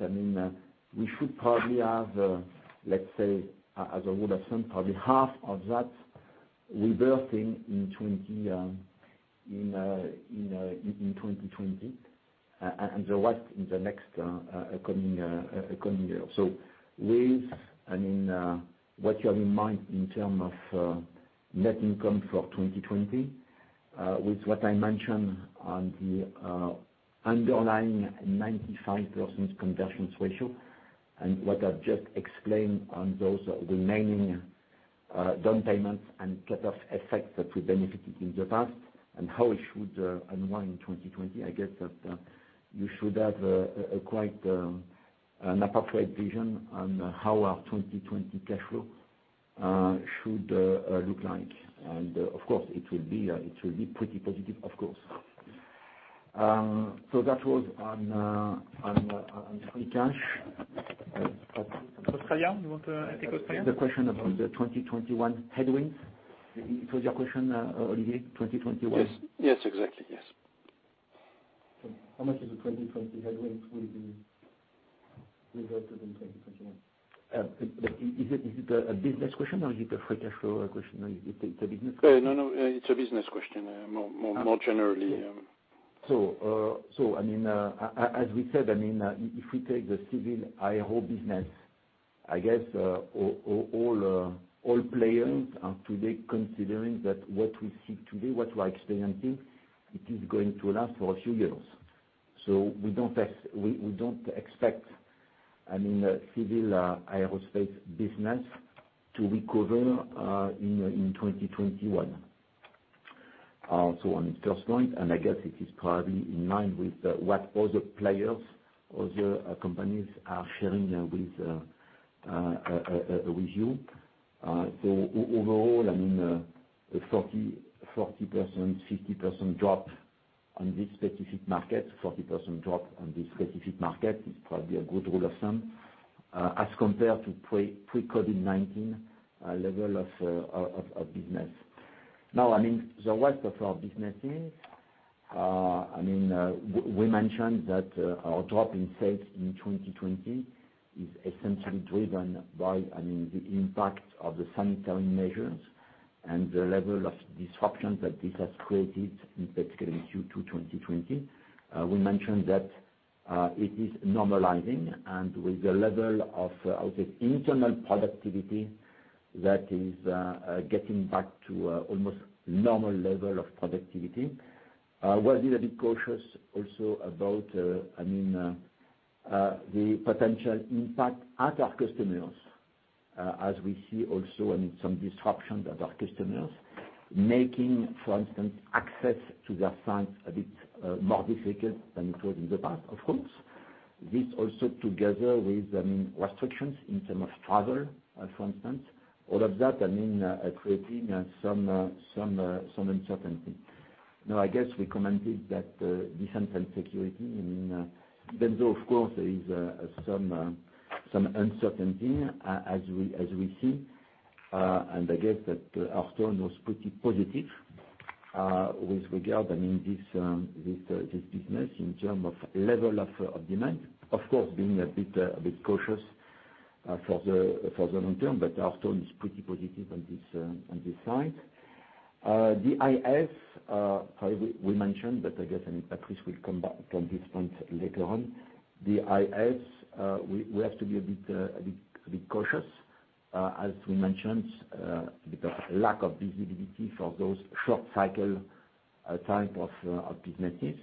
S4: we should probably have, let's say, as a rule of thumb, probably half of that reversing in 2020, and the rest in the next coming year. With what you have in mind in term of net income for 2020, with what I mentioned on the underlying 95% conversions ratio, and what I've just explained on those remaining down payments and cut-off effects that we benefited in the past, and how it should unwind in 2020, I guess that you should have an appropriate vision on how our 2020 cash flow should look like. Of course it will be pretty positive. That was on free cash.
S3: Australia, you want to take Australia?
S4: The question about the 2021 headwinds. It was your question, Olivier, 2021?
S5: Yes, exactly. Yes. How much of the 2020 headwinds will be reverted in 2021?
S4: Is it a business question or is it a free cash flow question? It's a business question.
S5: No, it's a business question, more generally.
S4: As we said, if we take the civil aero business, I guess all players are today considering that what we see today, what we are experiencing, it is going to last for a few years. We don't expect civil aerospace business to recover in 2021. On the first point, and I guess it is probably in line with what other players, other companies are sharing with you. Overall, a 40%, 50% drop on this specific market, 40% drop on this specific market is probably a good rule of thumb, as compared to pre-COVID-19 level of business. Now, the rest of our businesses, we mentioned that our drop in sales in 2020 is essentially driven by the impact of the sanitary measures and the level of disruptions that this has created, in particular in Q2 2020. We mentioned that it is normalizing and with the level of, I would say, internal productivity that is getting back to almost normal level of productivity. I was a bit cautious also about the potential impact at our customers, as we see also some disruptions at our customers, making, for instance, access to their sites a bit more difficult than it was in the past, of course. This also together with restrictions in terms of travel, for instance, all of that, creating some uncertainty. I guess we commented that Defense & Security, even though, of course, there is some uncertainty as we see, and I guess that our tone was pretty positive with regard, this business in terms of level of demand, of course, being a bit cautious for the long term, but our tone is pretty positive on this side. The DIS, probably we mentioned. I guess Patrice will come back on this point later on. The DIS we have to be a bit cautious, as we mentioned because of lack of visibility for those short cycle type of businesses.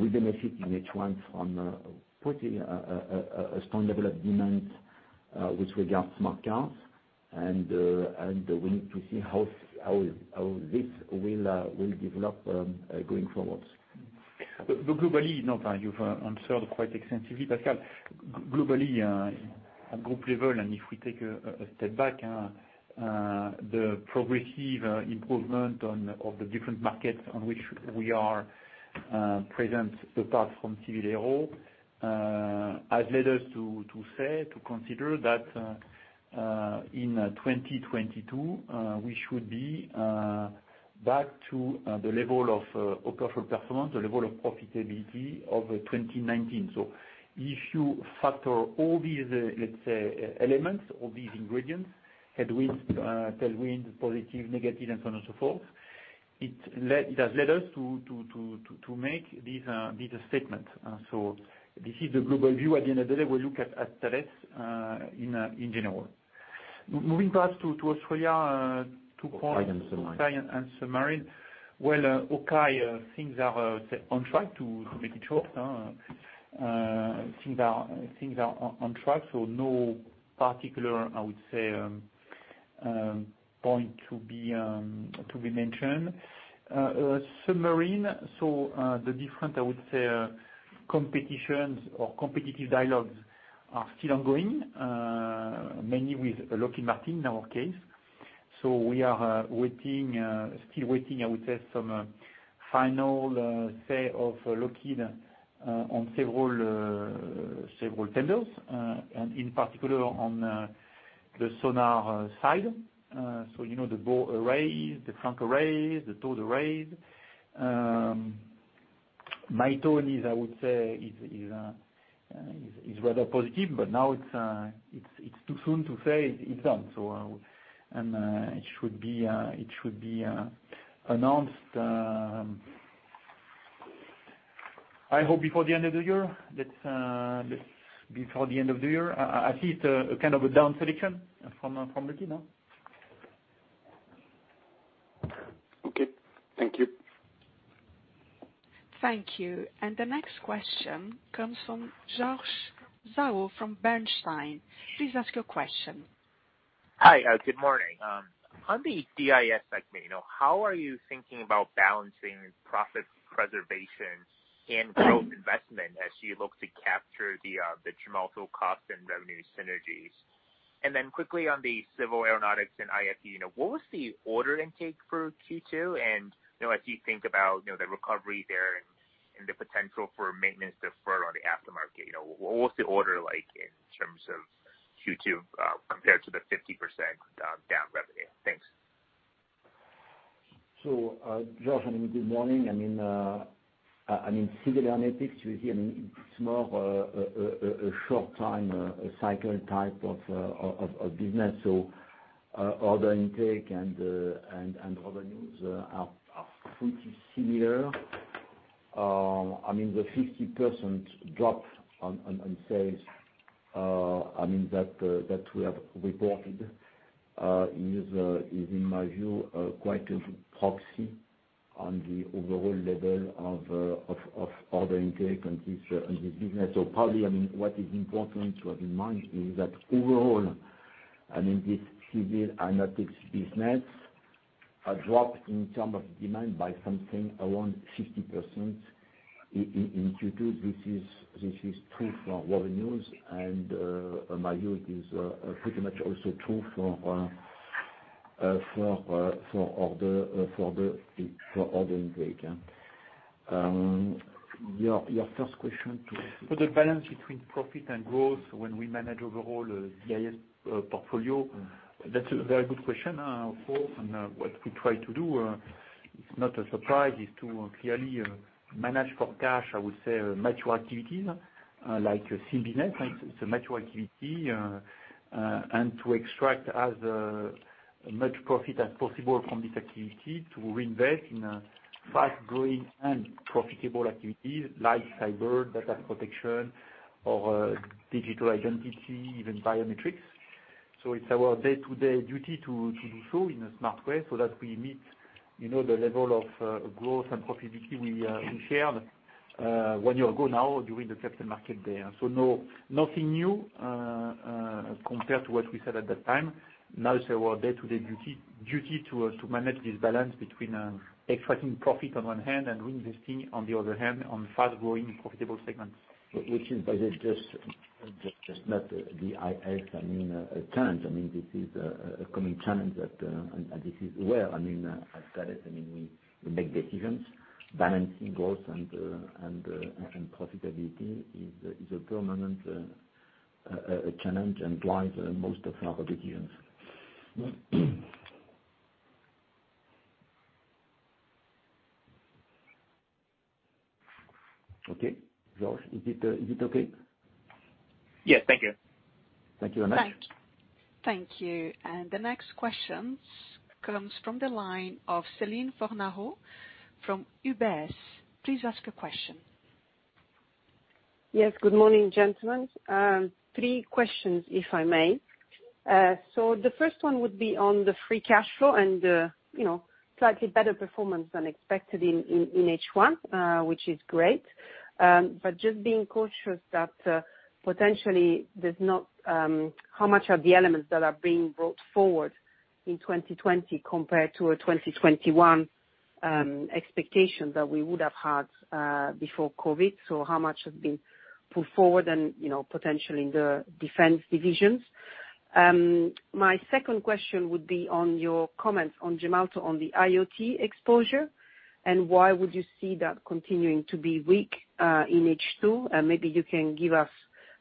S4: We benefit in H1 from pretty strong level of demand with regard to smart cards. We need to see how this will develop going forward.
S3: Globally, now that you've answered quite extensively, Pascal, globally, at group level, and if we take a step back, the progressive improvement of the different markets on which we are present apart from civil aero, has led us to say, to consider that in 2022, we should be back to the level of operational performance, the level of profitability of 2019. If you factor all these, let's say, elements, all these ingredients, headwinds, tailwinds, positive, negative, and so on and so forth, it has led us to make this statement. This is the global view. At the end of the day, we look at Thales in general. Moving perhaps to Australia, two points.
S4: Okay submarine.
S3: Submarine. Well, Hawkei, things are on track, to make it short. Things are on track, no particular, I would say, point to be mentioned. Submarine, the different, I would say, competitions or competitive dialogues are still ongoing, mainly with Lockheed Martin, in our case. We are still waiting, I would say, some final say of Lockheed on several tenders, and in particular on the sonar side. You know the bow arrays, the flank arrays, the towed arrays. My tone is, I would say, is rather positive, now it's too soon to say it's done. It should be announced, I hope before the end of the year. I see it a kind of a down selection from Lockheed.
S5: Okay. Thank you.
S1: Thank you. The next question comes from George Zhao from Bernstein. Please ask your question.
S6: Hi, good morning. On the DIS segment, how are you thinking about balancing profit preservation and growth investment as you look to capture the Gemalto cost and revenue synergies? Quickly on the civil aeronautics and IFE, what was the order intake for Q2? As you think about the recovery there and the potential for maintenance deferral on the aftermarket, what was the order like in terms of Q2 compared to the 50% down revenue? Thanks.
S4: George, good morning. Civil aeronautics, you hear me? It's more a short-time cycle type of business. Order intake and revenues are pretty similar. The 50% drop on sales that we have reported is, in my view, quite a proxy on the overall level of order intake on this business. Probably, what is important to have in mind is that overall, this civil aeronautics business, a drop in terms of demand by something around 50% in Q2. This is true for revenues and my view is pretty much also true for order intake. Your first question.
S3: For the balance between profit and growth when we manage overall DIS portfolio, that's a very good question of course. What we try to do, it's not a surprise, is to clearly manage for cash, I would say, mature activities like SIM business. It's a mature activity. To extract as much profit as possible from this activity to reinvest in fast-growing and profitable activities like cyber, data protection or digital identity, even biometrics. It's our day-to-day duty to do so in a smart way so that we meet the level of growth and profitability we shared one year ago now during the capital market there. Nothing new compared to what we said at that time. Now it's our day-to-day duty to manage this balance between extracting profit on one hand and reinvesting, on the other hand, on fast-growing profitable segments.
S4: By the way just not DIS, I mean a challenge. This is a common challenge that this is where, I mean, at Thales we make decisions balancing growth and profitability is a permanent challenge and drives most of our decisions. Okay, George, is it okay?
S6: Yes. Thank you.
S4: Thank you very much.
S1: Thank you. The next question comes from the line of Céline Fornaro from UBS. Please ask a question.
S7: Yes. Good morning, gentlemen. Three questions, if I may. The first one would be on the free cash flow and slightly better performance than expected in H1, which is great. Just being cautious that potentially how much are the elements that are being brought forward in 2020 compared to a 2021 expectation that we would have had before COVID? How much has been put forward and potentially in the defense divisions? My second question would be on your comments on Gemalto on the IoT exposure, and why would you see that continuing to be weak in H2? Maybe you can give us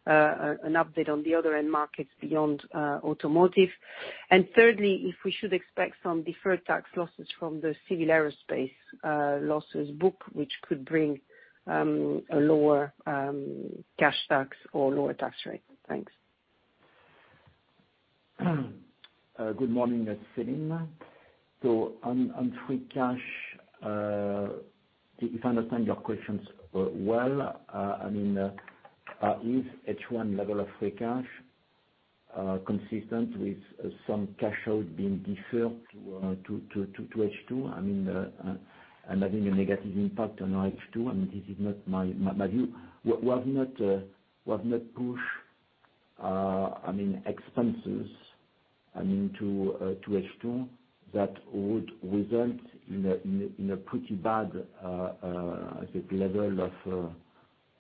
S7: an update on the other end markets beyond automotive. Thirdly, if we should expect some deferred tax losses from the civil aerospace losses book, which could bring a lower cash tax or lower tax rate. Thanks.
S4: Good morning, Céline. On free cash, if I understand your questions well, is H1 level of free cash consistent with some cash out being deferred to H2 and having a negative impact on our H2? This is not my view. We have not pushed expenses to H2 that would result in a pretty bad, I think level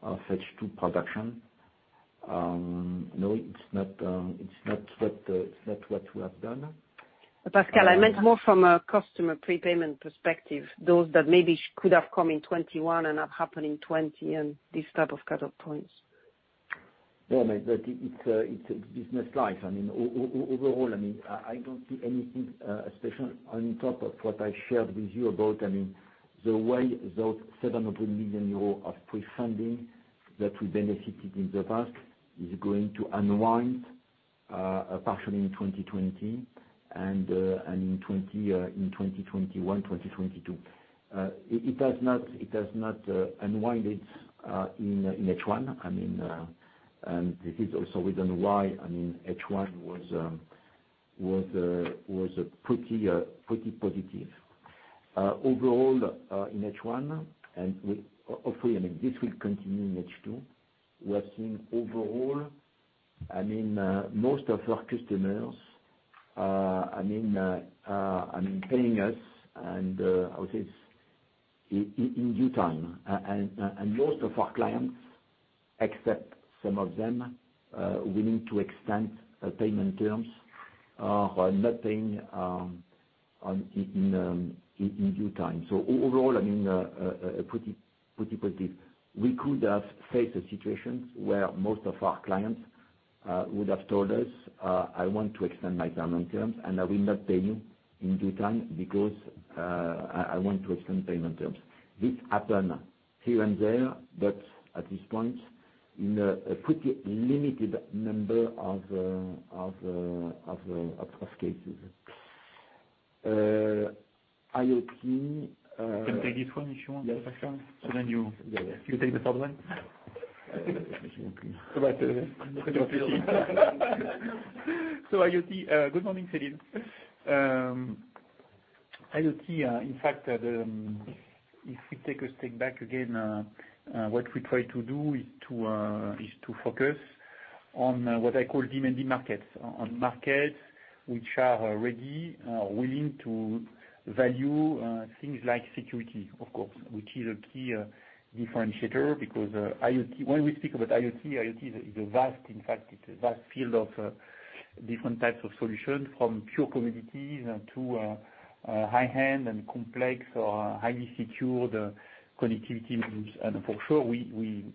S4: of H2 production. No, it's not what we have done.
S7: Pascal, I meant more from a customer prepayment perspective, those that maybe could have come in 2021 and not happen in 2020 and these type of cutoff points.
S4: It's business life. Overall, I don't see anything, especially on top of what I shared with you about the way those 700 million euros of pre-funding that we benefited in the past is going to unwind partially in 2020 and in 2021, 2022. It has not unwinded in H1, this is also within why H1 was pretty positive. Overall, in H1, hopefully, this will continue in H2. We are seeing overall, most of our customers are paying us, I would say in due time, most of our clients, except some of them, willing to extend payment terms are not paying in due time. Overall, pretty positive. We could have faced a situation where most of our clients would have told us, "I want to extend my payment terms, and I will not pay you in due time because I want to extend payment terms." This happened here and there, but at this point, in a pretty limited number of cases.
S3: Can take this one if you want, Pascal.
S4: Yes. So then you. Yeah.
S3: You take the third one. [INAUDIBLE] IoT. Good morning, Céline. IoT, in fact, if we take a step back again, what we try to do is to focus on what I call demanding markets. On markets which are ready, willing to value things like security, of course, which is a key differentiator because IoT, when we speak about IoT is a vast field of different types of solutions from pure connectivity to high-end and complex or highly secured connectivity modules, and for sure, we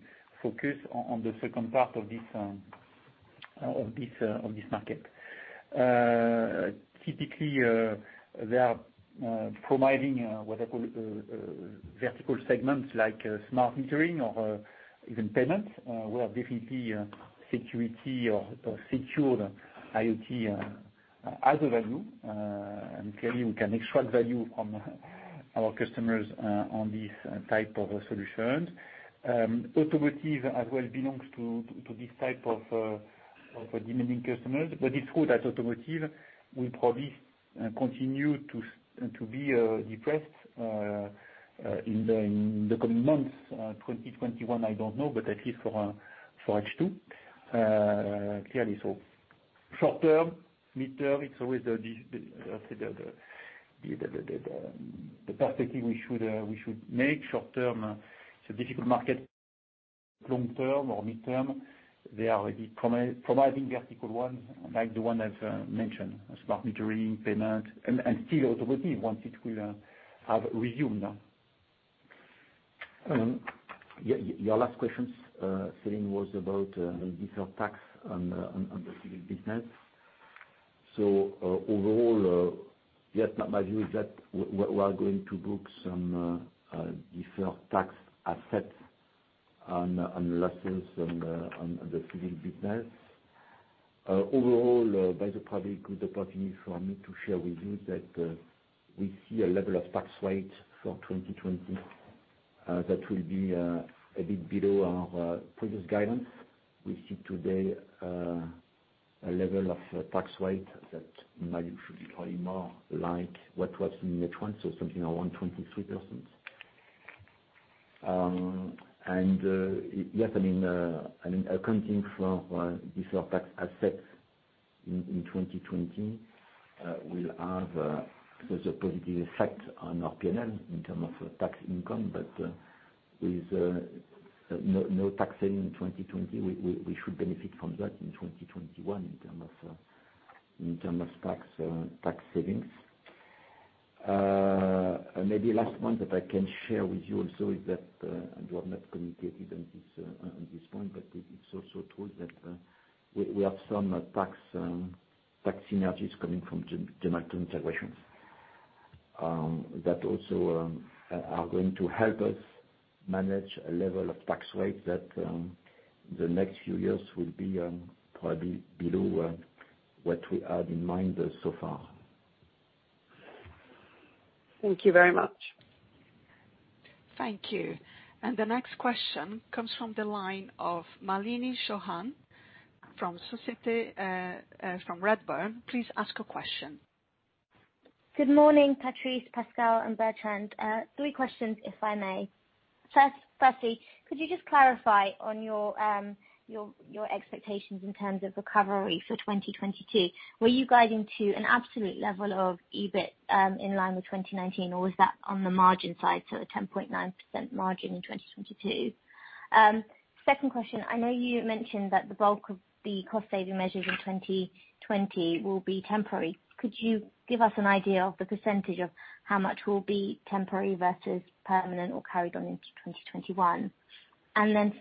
S3: focus on the second part of this market. Typically, they are providing what I call vertical segments, like smart metering or even payments, where definitely security or secured IoT as a value. Clearly, we can extract value from our customers on these type of solutions. Automotive as well belongs to this type of demanding customers. It's true that automotive will probably continue to be depressed in the coming months. 2021, I don't know, at least for H2. Clearly, short-term, mid-term, it's always the path that we should make short term. It's a difficult market long-term or mid-term. They are already providing vertical ones, like the one I've mentioned, smart metering, payment, and still automotive, once it will have resumed.
S4: Your last question, Céline, was about deferred tax on the civil business. Overall, yes, my view is that we are going to book some deferred tax assets on losses on the civil business. Overall, by the way, good opportunity for me to share with you that we see a level of tax rate for 2020 that will be a bit below our previous guidance. We see today a level of tax rate that now should be probably more like what was in H1 so something around 23%. Yes, accounting for deferred tax assets in 2020 will have a positive effect on our P&L in term of tax income. With no tax shield in 2020, we should benefit from that in 2021 in term of tax savings. Maybe last one that I can share with you also is that. You have not communicated on this point. It's also true that we have some tax synergies coming from Gemalto integration. That also are going to help us manage a level of tax rate that the next few years will be probably below what we had in mind so far.
S3: Thank you very much.
S1: Thank you. The next question comes from the line of Malini Chauhan from Redburn. Please ask your question.
S8: Good morning, Patrice, Pascal, and Bertrand. Three questions, if I may. First, could you just clarify on your expectations in terms of recovery for 2022? Were you guiding to an absolute level of EBIT, in line with 2019, or was that on the margin side, so a 10.9% margin in 2022? Second question, I know you mentioned that the bulk of the cost-saving measures in 2020 will be temporary. Could you give us an idea of the percentage of how much will be temporary versus permanent or carried on into 2021?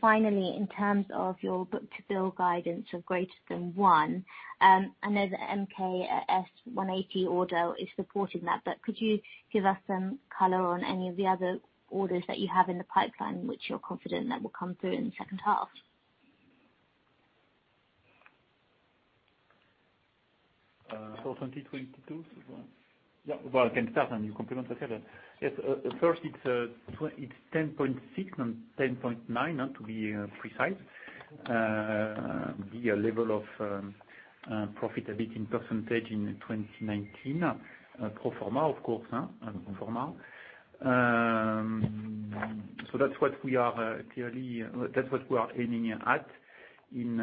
S8: Finally, in terms of your book-to-bill guidance of greater than one, I know the MKS 180 order is supporting that, but could you give us some color on any of the other orders that you have in the pipeline which you're confident that will come through in the second half?
S4: For 2022?
S3: Well, I can start, and you complement whatever. Yes. First, it's 10.6 and 10.9 to be precise. The level of profitability in percentage in 2019, pro forma. That's what we are aiming at in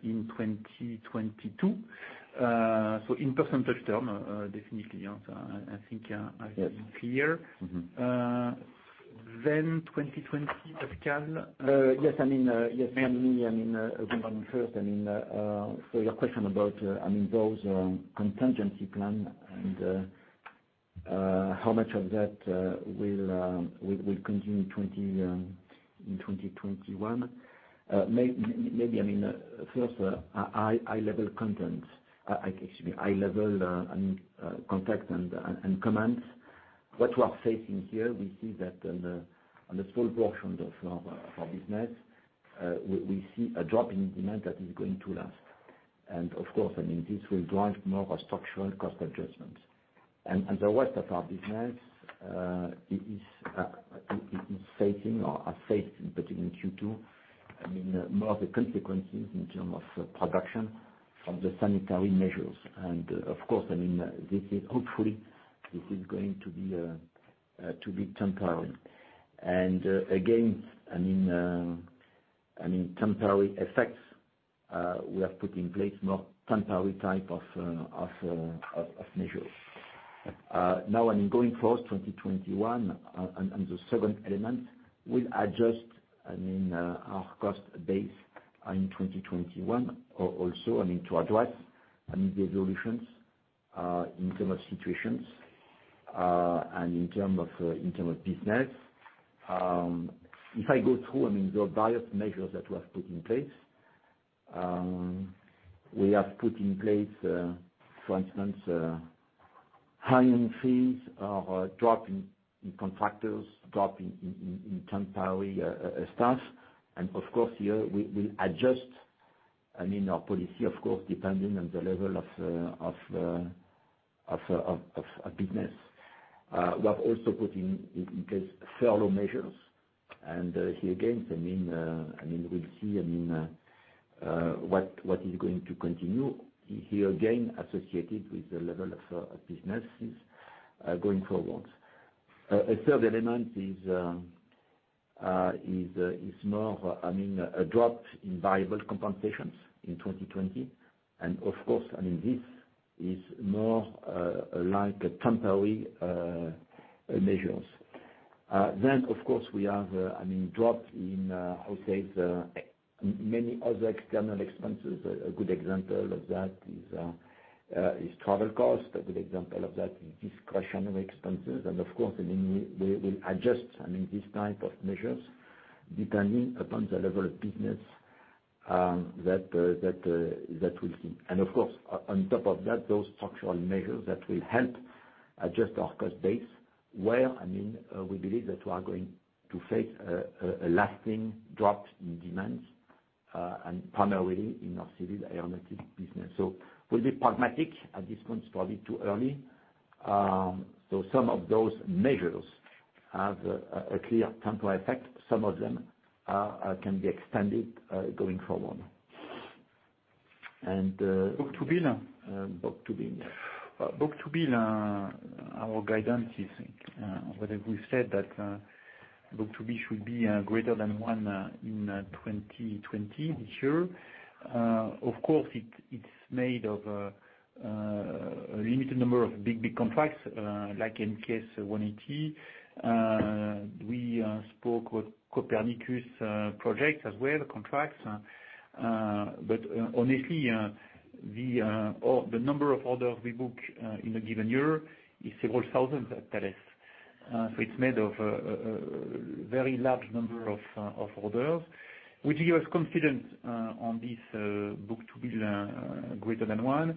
S3: 2022. In percentage term, definitely, I think I've been clear. 2020, Pascal?
S4: Yes, Malini, good morning first. For your question about those contingency plan and how much of that will continue in 2021. Maybe, first, high-level context and comments. What we are facing here, we see that on the small portion of our business, we see a drop in demand that is going to last. Of course, this will drive more structural cost adjustments. The rest of our business is facing, or are faced, particularly in Q2, more of the consequences in terms of production from the sanitary measures. Of course, hopefully, this is going to be temporary. Again, temporary effects, we have put in place more temporary type of measures. Now, going forward, 2021, and the second element will adjust our cost base in 2021 also to address the evolutions in terms of situations, and in terms of business. If I go through the various measures that we have put in place. We have put in place, for instance, hiring freeze or a drop in contractors, drop in temporary staff. Of course, here, we'll adjust our policy, of course, depending on the level of business. We have also put in place furlough measures. Here again, we'll see what is going to continue here, again, associated with the level of businesses going forward. A third element is more a drop in variable compensations in 2020. Of course, this is more like temporary measures. Of course, we have a drop in, I would say, many other external expenses. A good example of that is travel cost. A good example of that is discretionary expenses. Of course, we will adjust these type of measures depending upon the level of business that we'll see. Of course, on top of that, those structural measures that will help adjust our cost base, where we believe that we are going to face a lasting drop in demands, and primarily in our civil aeronautics business. We'll be pragmatic. At this point, it's probably too early. Some of those measures have a clear temporary effect. Some of them can be extended going forward. Book-to-bill.
S3: Book-to-bill. Our guidance is whether we've said that book-to-bill should be greater than one in 2020 this year. Of course, it's made of a limited number of big contracts, like MKS 180. We spoke with Copernicus projects as well, contracts. Honestly, the number of orders we book in a given year is several thousand at Thales. It's made of a very large number of orders. What gives us confidence on this book-to-bill greater than one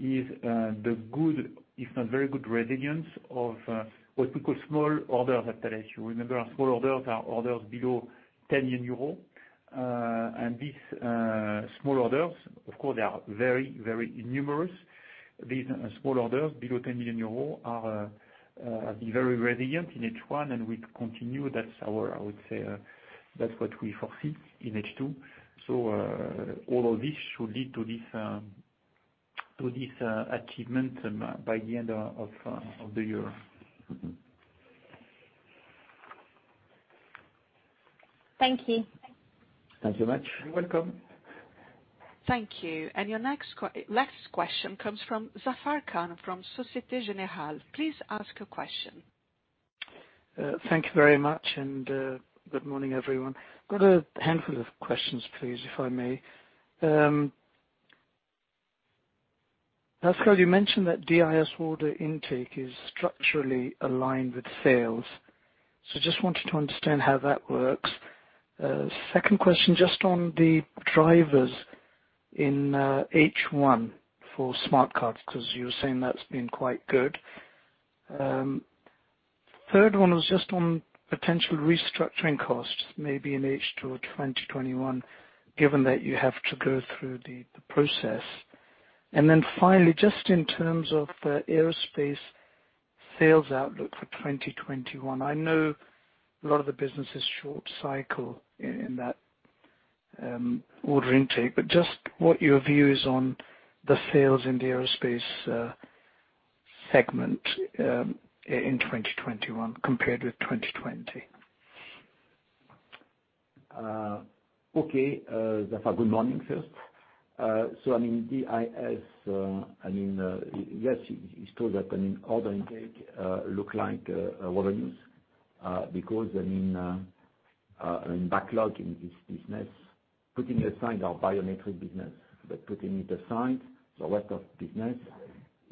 S3: is the good, if not very good resilience of what we call small orders at Thales. You remember our small orders are orders below EUR 10 million, and these small orders, of course, they are very numerous. These small orders below 10 million euros have been very resilient in H1, and we continue. I would say that's what we foresee in H2. All of this should lead to this achievement by the end of the year.
S8: Thank you.
S4: Thank you much.
S3: You're welcome.
S1: Thank you. Your next question comes from Zafar Khan from Société Générale. Please ask a question.
S9: Thank you very much, and good morning, everyone. Got a handful of questions, please, if I may. Pascal, you mentioned that DIS order intake is structurally aligned with sales. Just wanted to understand how that works. Second question, just on the drivers in H1 for smart cards, because you were saying that's been quite good. Third one was just on potential restructuring costs, maybe in H2 or 2021, given that you have to go through the process. Finally, just in terms of aerospace sales outlook for 2021. I know a lot of the business is short cycle in that order intake, just what your view is on the sales in the aerospace segment in 2021 compared with 2020.
S4: Okay. Zafar, good morning, first. DIS, yes, it's true that order intake look like revenues because backlog in this business, putting aside our biometric business, but putting it aside. Rest of business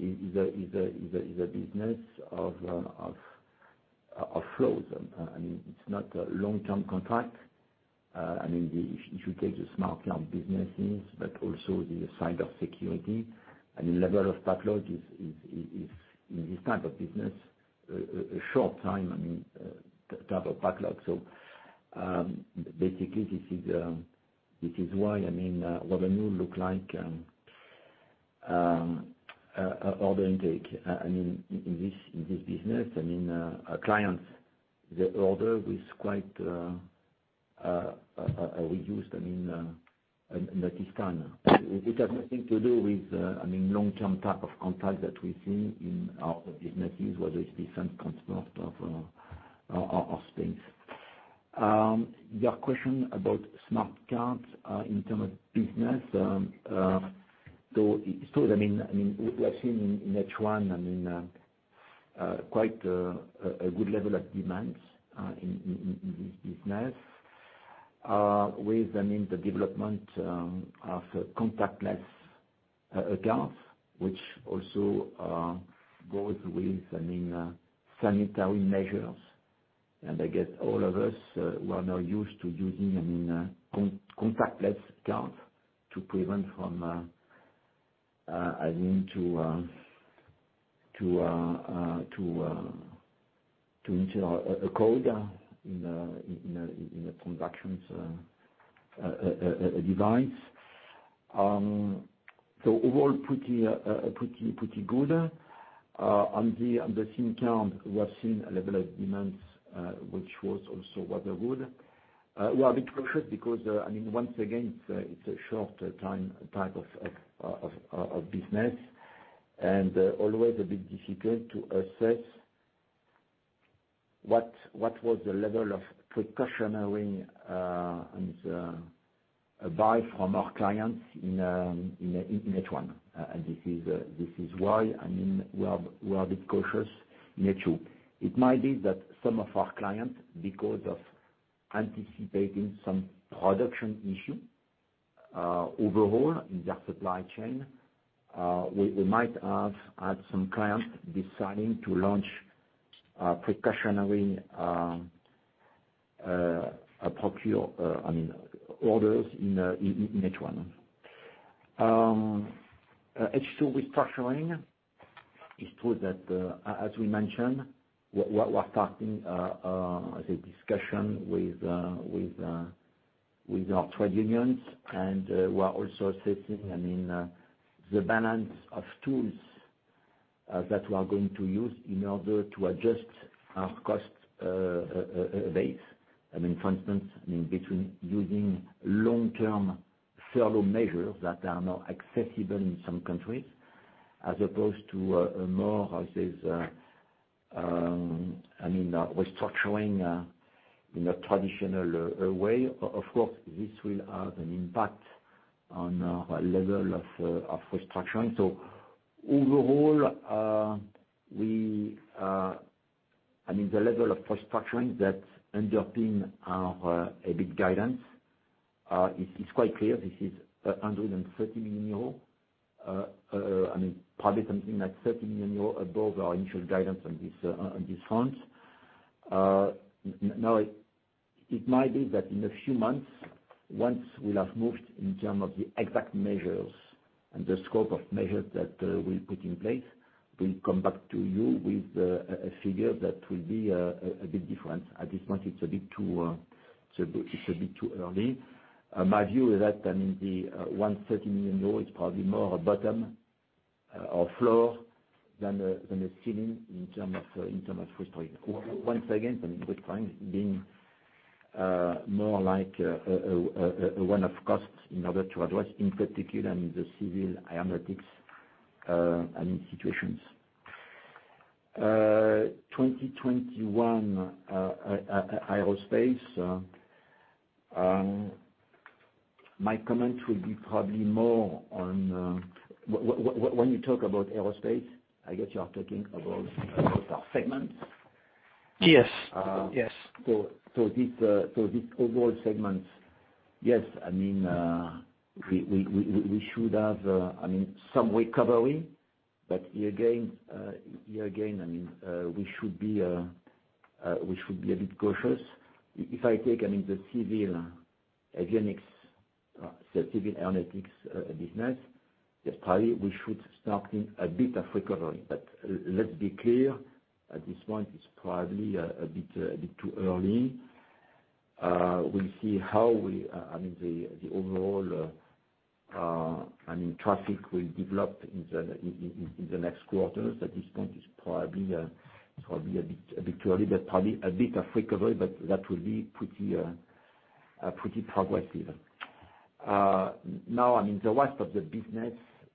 S4: is a business of flows. It's not a long-term contract. If you take the smart card businesses, but also the cybersecurity and the level of backlog is, in this type of business, a short time type of backlog. Basically, this is why revenue look like order intake. In this business, our clients, the order is quite reduced in that scan. Which has nothing to do with long-term type of contracts that we see in our businesses, whether it's defense, commercial, or space. Your question about smart cards in term of business. It's true, we have seen in H1, quite a good level of demand in this business with the development of contactless cards, which also goes with sanitary measures. I guess all of us who are now used to using contactless cards to prevent, I mean, to enter a code in a transactions device. Overall pretty good. On the SIM card, we have seen a level of demands, which was also rather good. We are a bit cautious because, once again, it's a short time type of business and always a bit difficult to assess what was the level of precautionary buys from our clients in H1. This is why, we are a bit cautious in H2. It might be that some of our clients, because of anticipating some production issue overall in their supply chain, we might have had some clients deciding to launch precautionary procure orders in H1. H2 restructuring is true that, as we mentioned, we're starting the discussion with our trade unions, and we're also assessing the balance of tools that we are going to use in order to adjust our cost base. For instance, between using long-term furlough measures that are now accessible in some countries, as opposed to a more, how say, restructuring in a traditional way. Of course, this will have an impact on our level of restructuring. Overall, the level of restructuring that underpin our EBIT guidance. It's quite clear this is 130 million euros, probably something like 30 million euros above our initial guidance on this front. Now, it might be that in a few months, once we have moved in terms of the exact measures and the scope of measures that we'll put in place, we'll come back to you with a figure that will be a bit different. At this point, it's a bit too early. My view is that the one 130 million euro is probably more a bottom or floor than a ceiling in terms of restructuring. Once again, with fine being more like a one-off cost in order to address, in particular, in the civil aeronautics and institutions. 2021 aerospace. My comment will be probably more. When you talk about aerospace, I guess you are talking about our segments?
S9: Yes.
S4: These overall segments, yes, we should have some recovery, but here again we should be a bit cautious. If I take the civil avionics, civil aeronautics business, yes, probably we should start seeing a bit of recovery. Let's be clear, at this point, it's probably a bit too early. We'll see how the overall traffic will develop in the next quarters. At this point, it's probably a bit early, but probably a bit of recovery, but that will be pretty progressive. The rest of the business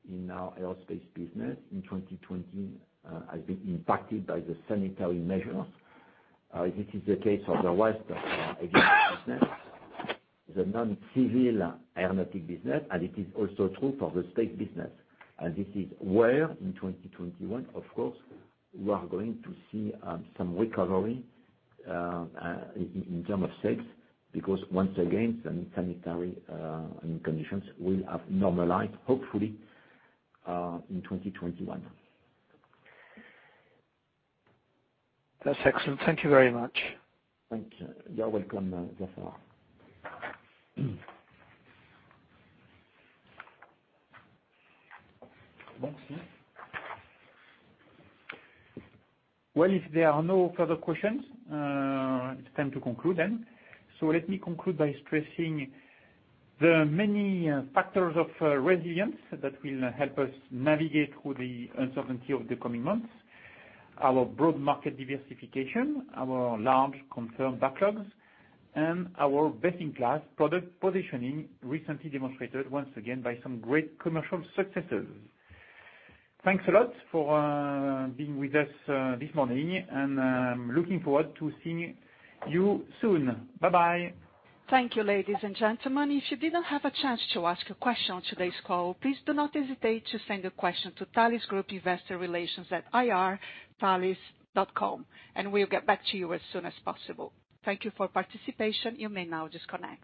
S4: in our aerospace business in 2020 has been impacted by the sanitary measures. This is the case for the rest of our aviation business, the non-civil aeronautics business, and it is also true for the state business. This is where, in 2021, of course, we are going to see some recovery in terms of sales, because once again, sanitary conditions will have normalized, hopefully, in 2021.
S9: That's excellent. Thank you very much.
S4: Thank you. You're welcome, Zafar.
S3: Well, if there are no further questions, it's time to conclude then. Let me conclude by stressing the many factors of resilience that will help us navigate through the uncertainty of the coming months. Our broad market diversification, our large confirmed backlogs, and our best-in-class product positioning, recently demonstrated once again by some great commercial successes. Thanks a lot for being with us this morning, and looking forward to seeing you soon. Bye-bye.
S1: Thank you, ladies and gentlemen. If you didn't have a chance to ask a question on today's call, please do not hesitate to send a question to Thales Group investor relations at ir@thalesgroup.com. We'll get back to you as soon as possible. Thank you for participation. You may now disconnect.